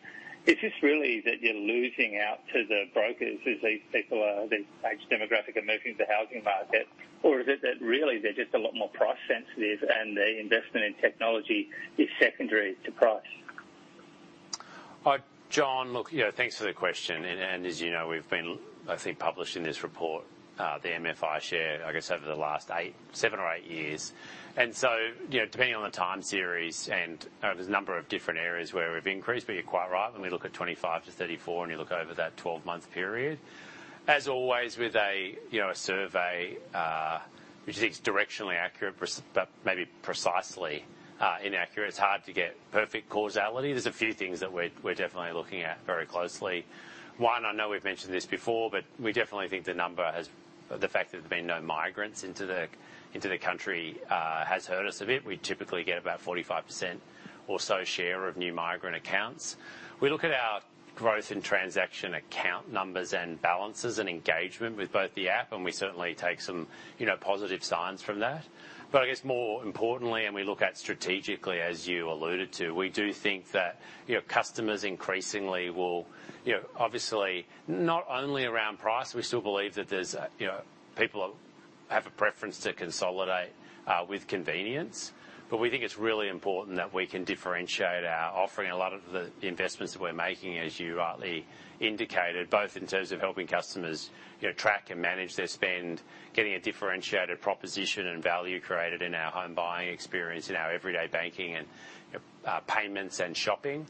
Is this really that you're losing out to the brokers as these people are, the age demographic are moving to the housing market? Or is it that really they're just a lot more price sensitive and their investment in technology is secondary to price? Jon, look, you know, thanks for the question. As you know, we've been, I think, publishing this report, the MFI share, I guess, over the last seven or eight years. You know, depending on the time series and there's a number of different areas where we've increased, but you're quite right. When we look at 25-34 and you look over that 12-month period, as always, with, you know, a survey, which is directionally accurate but maybe precisely inaccurate, it's hard to get perfect causality. There's a few things that we're definitely looking at very closely. One, I know we've mentioned this before, but we definitely think the number has the fact that there's been no migrants into the country has hurt us a bit. We typically get about 45% or so share of new migrant accounts. We look at our growth in transaction account numbers and balances and engagement with both the app, and we certainly take some, you know, positive signs from that. I guess more importantly, we look at strategically, as you alluded to, we do think that, you know, customers increasingly will, you know, obviously not only around price, we still believe that there's, you know, people have a preference to consolidate with convenience. We think it's really important that we can differentiate our offering. A lot of the investments we're making, as you rightly indicated, both in terms of helping customers, you know, track and manage their spend, getting a differentiated proposition and value created in our home buying experience, in our everyday banking and payments and shopping.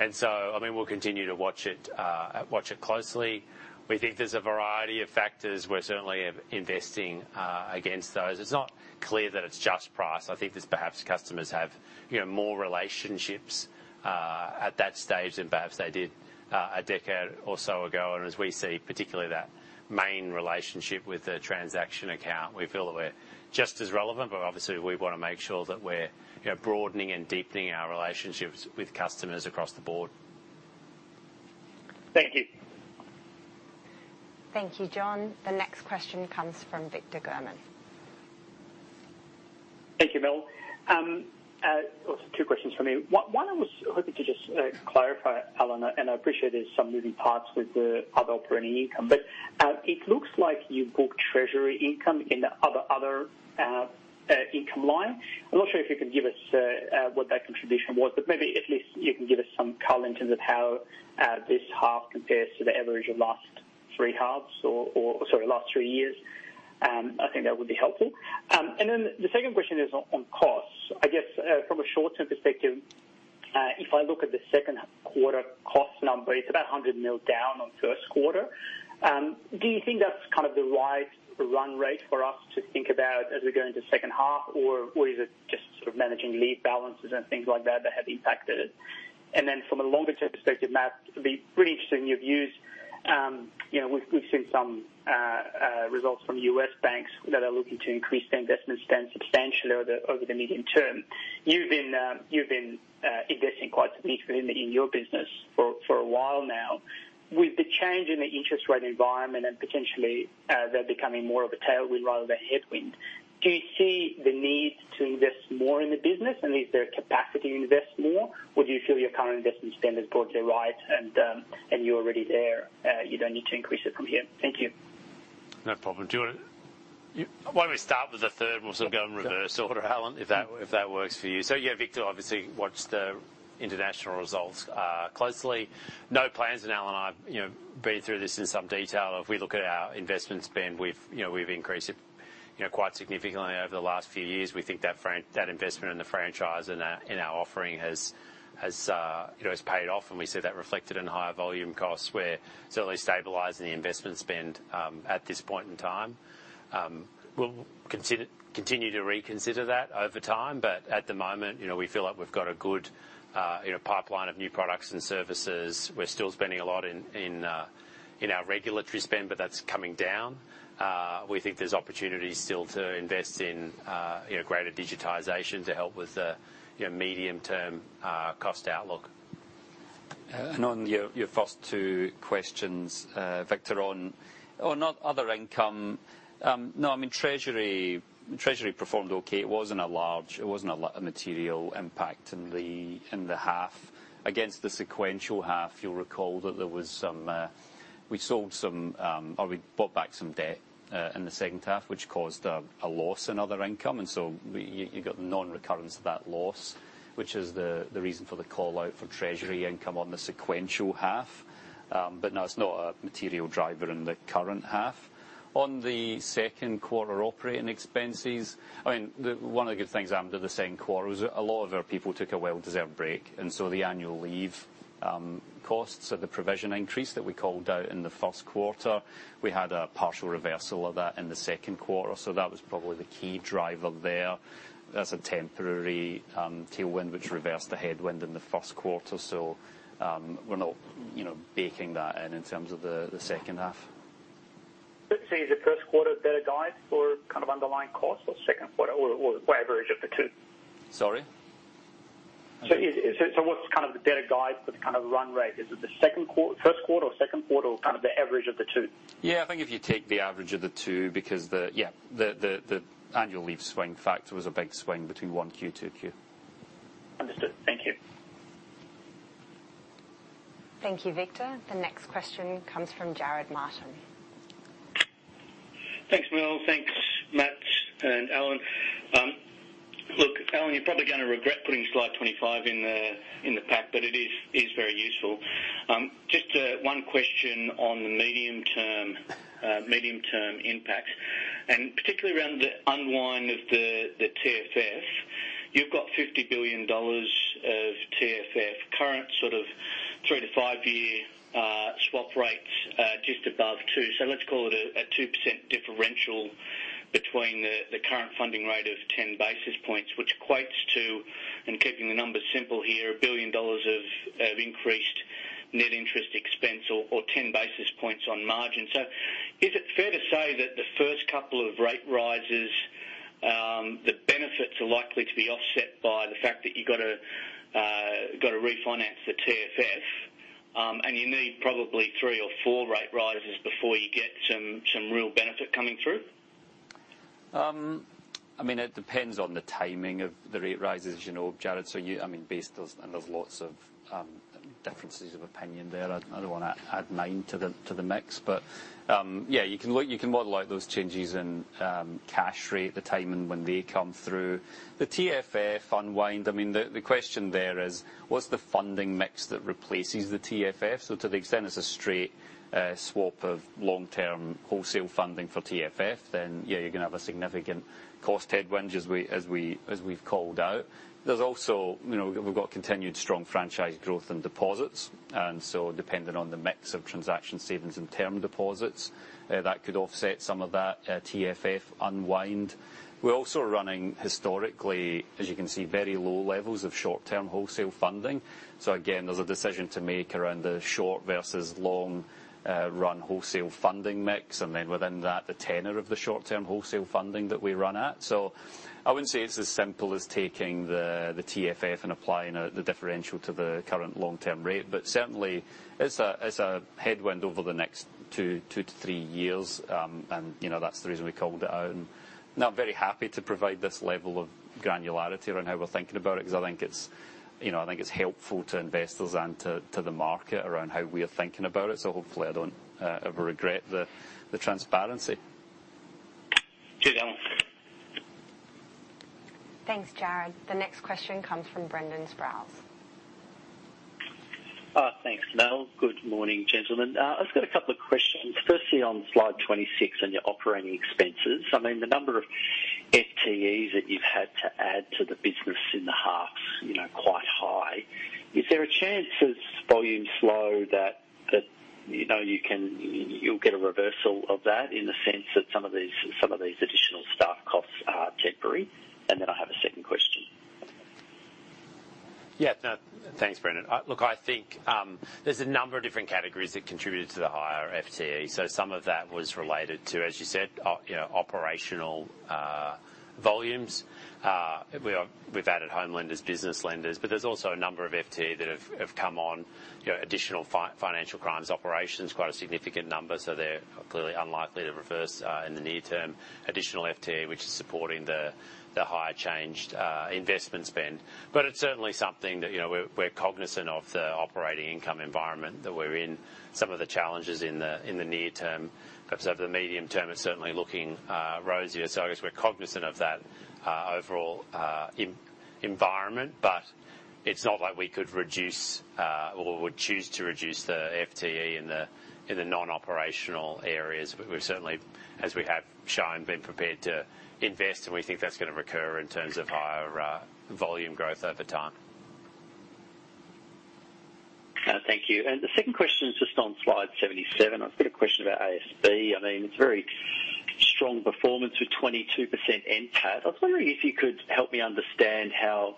I mean, we'll continue to watch it closely. We think there's a variety of factors. We're certainly investing against those. It's not clear that it's just price. I think there's perhaps customers have, you know, more relationships at that stage than perhaps they did a decade or so ago. We see particularly that main relationship with the transaction account. We feel that we're just as relevant. We wanna make sure that we're, you know, broadening and deepening our relationships with customers across the board. Thank you. Thank you, Jon. The next question comes from Victor German. Thank you, Mel. Two questions for me. One I was hoping to just clarify, Alan, and I appreciate there's some moving parts with the other operating income, but it looks like you booked treasury income in the other income line. I'm not sure if you can give us what that contribution was, but maybe at least you can give us some color in terms of how this half compares to the average of last three halves or, sorry, last three years. I think that would be helpful. The second question is on costs. I guess from a short-term perspective, if I look at the second half quarter cost number, it's about 100 million down on first quarter. Do you think that's kind of the right run rate for us to think about as we go into second half? Or is it just sort of managing lead balances and things like that that have impacted it? From a longer-term perspective, Matt, it'd be pretty interesting. You've used, you know, we've seen some results from U.S. banks that are looking to increase their investment spend substantially over the medium term. You've been investing quite significantly in your business for a while now. With the change in the interest rate environment and potentially they're becoming more of a tailwind rather than headwind, do you see the need to invest more in the business, and is there a capacity to invest more? Do you feel your current investment spend is broadly right and you're already there, you don't need to increase it from here? Thank you. No problem. Why don't we start with the third, and we'll sort of go in reverse order, Alan, if that works for you. Victor obviously watched the international results closely. No plans. Alan and I, you know, been through this in some detail. If we look at our investment spend, you know, we've increased it, you know, quite significantly over the last few years. We think that investment in the franchise and our offering has paid off, and we see that reflected in higher volume costs. We're certainly stabilizing the investment spend at this point in time. We'll continue to reconsider that over time, but at the moment, you know, we feel like we've got a good, you know, pipeline of new products and services. We're still spending a lot in our regulatory spend, but that's coming down. We think there's opportunities still to invest in, you know, greater digitization to help with the, you know, medium-term cost outlook. On your first two questions, Victor, on other income, no, I mean, treasury performed okay. It wasn't a material impact in the half. Against the sequential half, you'll recall that we sold some or we bought back some debt in the second half, which caused a loss in other income. So you got non-recurrence of that loss, which is the reason for the callout for treasury income on the sequential half. But no, it's not a material driver in the current half. On the second quarter operating expenses, I mean, one of the good things that happened in the second quarter was a lot of our people took a well-deserved break. The annual leave costs or the provision increase that we called out in the first quarter, we had a partial reversal of that in the second quarter. That was probably the key driver there. That's a temporary tailwind which reversed the headwind in the first quarter. We're not, you know, baking that in in terms of the second half. Let's say, is the first quarter a better guide for kind of underlying costs or second quarter or what average of the two? Sorry. What's kind of the better guide for the kind of run rate? Is it the first quarter or second quarter or kind of the average of the two? Yeah, I think if you take the average of the two, because the annual leave swing factor was a big swing between 1Q to 2Q. Understood. Thank you. Thank you, Victor. The next question comes from Jarrod Martin. Thanks, Mel. Thanks, Matt and Alan. Look, Alan, you're probably gonna regret putting slide 25 in the pack, but it is very useful. Just one question on the medium-term impact, and particularly around the unwind of the TFF. You've got 50 billion dollars of TFF current, sort of three to five-year swap rates just above 2%. So let's call it a 2% differential between the current funding rate of 10 basis points, which equates to, and keeping the numbers simple here, 1 billion dollars of increased net interest expense or 10 basis points on margin. Is it fair to say that the first couple of rate rises, the benefits are likely to be offset by the fact that you gotta refinance the TFF, and you need probably three or four rate rises before you get some real benefit coming through? I mean, it depends on the timing of the rate rises, you know, Jarrod. There's lots of differences of opinion there. I don't wanna add mine to the mix. Yeah, you can look, you can model out those changes in cash rate, the timing when they come through. The TFF unwind, I mean, the question there is what's the funding mix that replaces the TFF? To the extent it's a straight swap of long-term wholesale funding for TFF, then yeah, you're gonna have a significant cost headwind as we've called out. There's also, you know, we've got continued strong franchise growth and deposits. Depending on the mix of transaction savings and term deposits, that could offset some of that TFF unwind. We're also running historically, as you can see, very low levels of short-term wholesale funding. Again, there's a decision to make around the short versus long-run wholesale funding mix. Then within that, the tenor of the short-term wholesale funding that we run at. I wouldn't say it's as simple as taking the TFF and applying the differential to the current long-term rate. Certainly it's a headwind over the next two to three years. You know, that's the reason we called it out. I'm very happy to provide this level of granularity around how we're thinking about it, because I think it's, you know, I think it's helpful to investors and to the market around how we are thinking about it. Hopefully I don't ever regret the transparency. Cheers, Alan. Thanks, Jarrod. The next question comes from Brendan Sproules. Thanks, Mel. Good morning, gentlemen. I've got a couple of questions. Firstly, on slide 26 on your operating expenses. I mean, the number of FTEs that you've had to add to the business in the half, you know, quite high. Is there a chance as volumes slow that, you know, you can, you'll get a reversal of that in the sense that some of these additional staff costs are temporary? Then I have a second question. Yeah, no. Thanks, Brendan. Look, I think there's a number of different categories that contributed to the higher FTE. Some of that was related to, as you said, you know, operational volumes. We've added home lenders, business lenders, but there's also a number of FTE that have come on, you know, additional financial crimes operations, quite a significant number. They're clearly unlikely to reverse in the near term. Additional FTE, which is supporting the higher change investment spend. It's certainly something that, you know, we're cognizant of the operating expense environment that we're in. Some of the challenges in the near term, perhaps over the medium term are certainly looking rosier. I guess we're cognizant of that, overall environment, but it's not like we could reduce or would choose to reduce the FTE in the non-operational areas. We've certainly, as we have shown, been prepared to invest, and we think that's gonna recur in terms of higher volume growth over time. Thank you. The second question is just on slide 77. I've got a question about ASB. I mean, it's very strong performance with 22% NPAT. I was wondering if you could help me understand how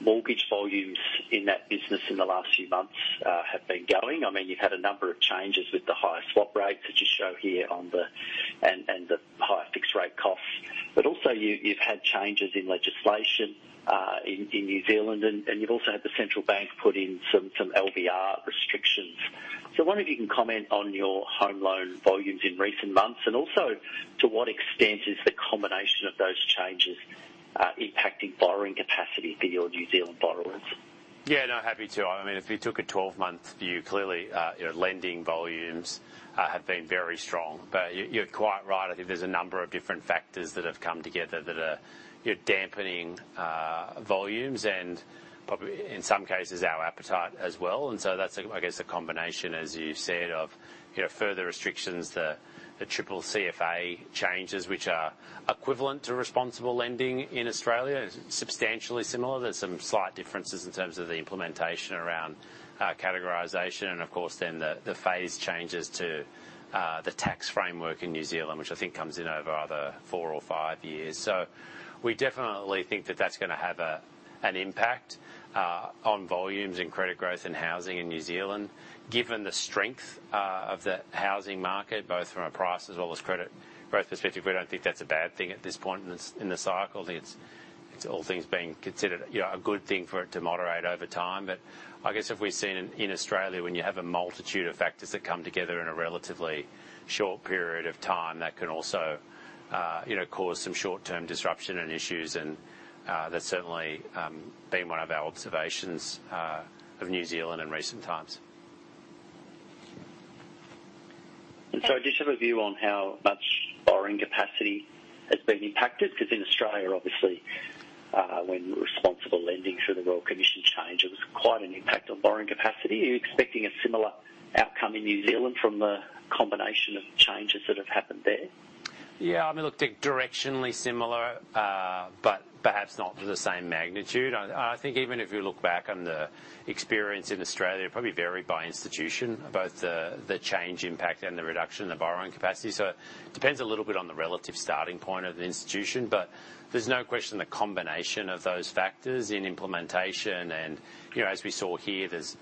mortgage volumes in that business in the last few months have been going. I mean, you've had a number of changes with the higher swap rates that you show here on the. And the higher fixed rate costs. But also you've had changes in legislation in New Zealand, and you've also had the Central Bank put in some LVR restrictions. I wonder if you can comment on your home loan volumes in recent months, and also to what extent is the combination of those changes impacting borrowing capacity for your New Zealand borrowers? Yeah, no, happy to. I mean, if you took a 12-month view, clearly, you know, lending volumes have been very strong. But you're quite right. I think there's a number of different factors that have come together that are, you know, dampening volumes and probably in some cases our appetite as well. That's, I guess, a combination, as you said, of, you know, further restrictions. The CCCFA changes which are equivalent to responsible lending in Australia, substantially similar. There's some slight differences in terms of the implementation around categorization and of course then the phase changes to the tax framework in New Zealand, which I think comes in over either four or five years. We definitely think that that's gonna have an impact on volumes in credit growth and housing in New Zealand. Given the strength of the housing market, both from a price as well as credit growth perspective, we don't think that's a bad thing at this point in the cycle. It's all things being considered, you know, a good thing for it to moderate over time. I guess if we've seen in Australia, when you have a multitude of factors that come together in a relatively short period of time, that can also, you know, cause some short-term disruption and issues and that's certainly been one of our observations of New Zealand in recent times. Do you have a view on how much borrowing capacity has been impacted? Because in Australia, obviously, when responsible lending through the Royal Commission change, it was quite an impact on borrowing capacity. Are you expecting a similar outcome in New Zealand from the combination of changes that have happened there? Yeah, I mean, look, directionally similar, but perhaps not to the same magnitude. I think even if you look back on the experience in Australia, it probably varied by institution, both the change impact and the reduction in the borrowing capacity. It depends a little bit on the relative starting point of the institution. But there's no question the combination of those factors in implementation and, you know, as we saw here, there's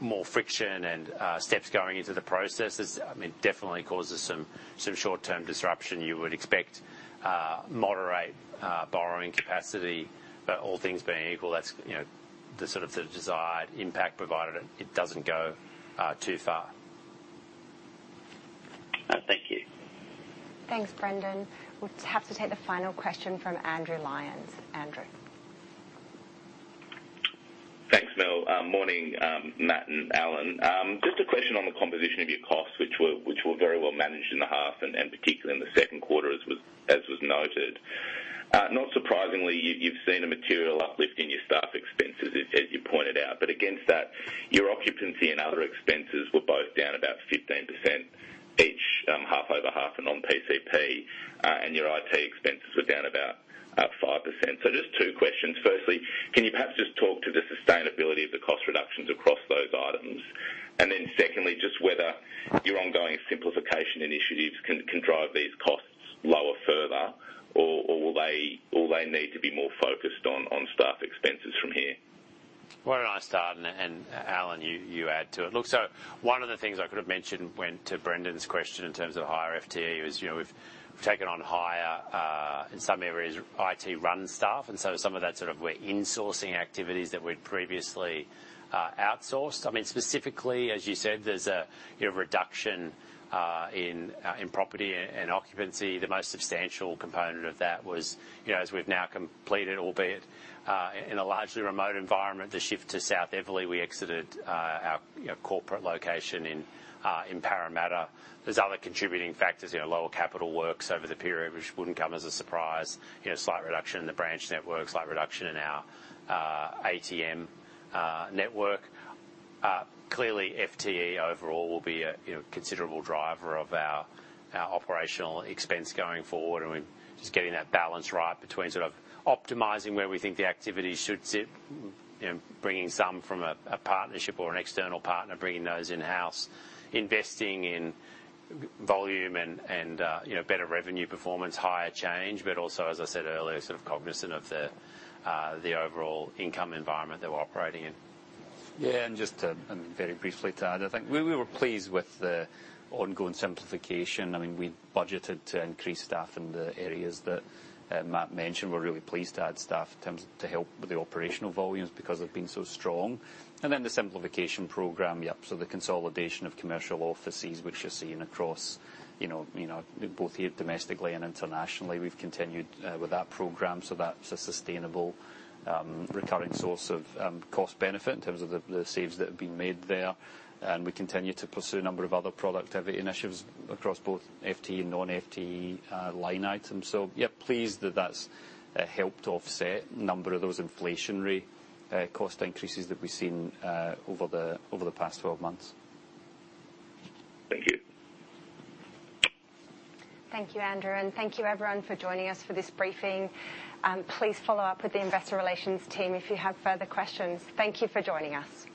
more friction and steps going into the processes. I mean, definitely causes some short-term disruption. You would expect moderate borrowing capacity. But all things being equal, that's the sort of desired impact, provided it doesn't go too far. Thank you. Thanks, Brendan. We'll have to take the final question from Andrew Lyons. Andrew. Thanks, Mel. Morning, Matt and Alan. Just a question on the composition of your costs, which were very well managed in the half and particularly in the second quarter, as was noted. Not surprisingly, you've seen a material uplift in your staff expenses, as you pointed out. But against that, your occupancy and other expenses were both down about 15% each, half over half and on PCP, and your IT expenses were down about 5%. Just two questions. Firstly, can you perhaps just talk to the sustainability of the cost reductions across those items? Then secondly, just whether your ongoing simplification initiatives can drive these costs lower further, or will they need to be more focused on staff expenses from here? Why don't I start and Alan, you add to it. Look, one of the things I could have mentioned to Brendan's question in terms of higher FTE was, you know, we've taken on higher in some areas, IT-run staff, and so some of that sort of we're insourcing activities that we'd previously outsourced. I mean, specifically, as you said, there's a, you know, reduction in property and occupancy. The most substantial component of that was, you know, as we've now completed, albeit in a largely remote environment, the shift to South Eveleigh, we exited our corporate location in Parramatta. There are other contributing factors, you know, lower capital works over the period, which wouldn't come as a surprise. You know, slight reduction in the branch network, slight reduction in our ATM network. Clearly FTE overall will be a you know, considerable driver of our our operational expense going forward. I mean, just getting that balance right between sort of optimizing where we think the activity should sit, you know, bringing some from a partnership or an external partner, bringing those in-house. Investing in volume and you know, better revenue performance, higher change, but also, as I said earlier, sort of cognizant of the the overall income environment that we're operating in. Very briefly to add, I think we were pleased with the ongoing simplification. I mean, we budgeted to increase staff in the areas that Matt mentioned. We're really pleased to add staff to help with the operational volumes because they've been so strong. Then the simplification program, yep, the consolidation of commercial offices, which you're seeing across both here domestically and internationally, we've continued with that program. That's a sustainable recurring source of cost benefit in terms of the saves that have been made there. We continue to pursue a number of other productivity initiatives across both FTE and non-FTE line items. Yeah, pleased that that's helped offset a number of those inflationary cost increases that we've seen over the past 12 months. Thank you. Thank you, Andrew, and thank you everyone for joining us for this briefing. Please follow up with the Investor Relations team if you have further questions. Thank you for joining us.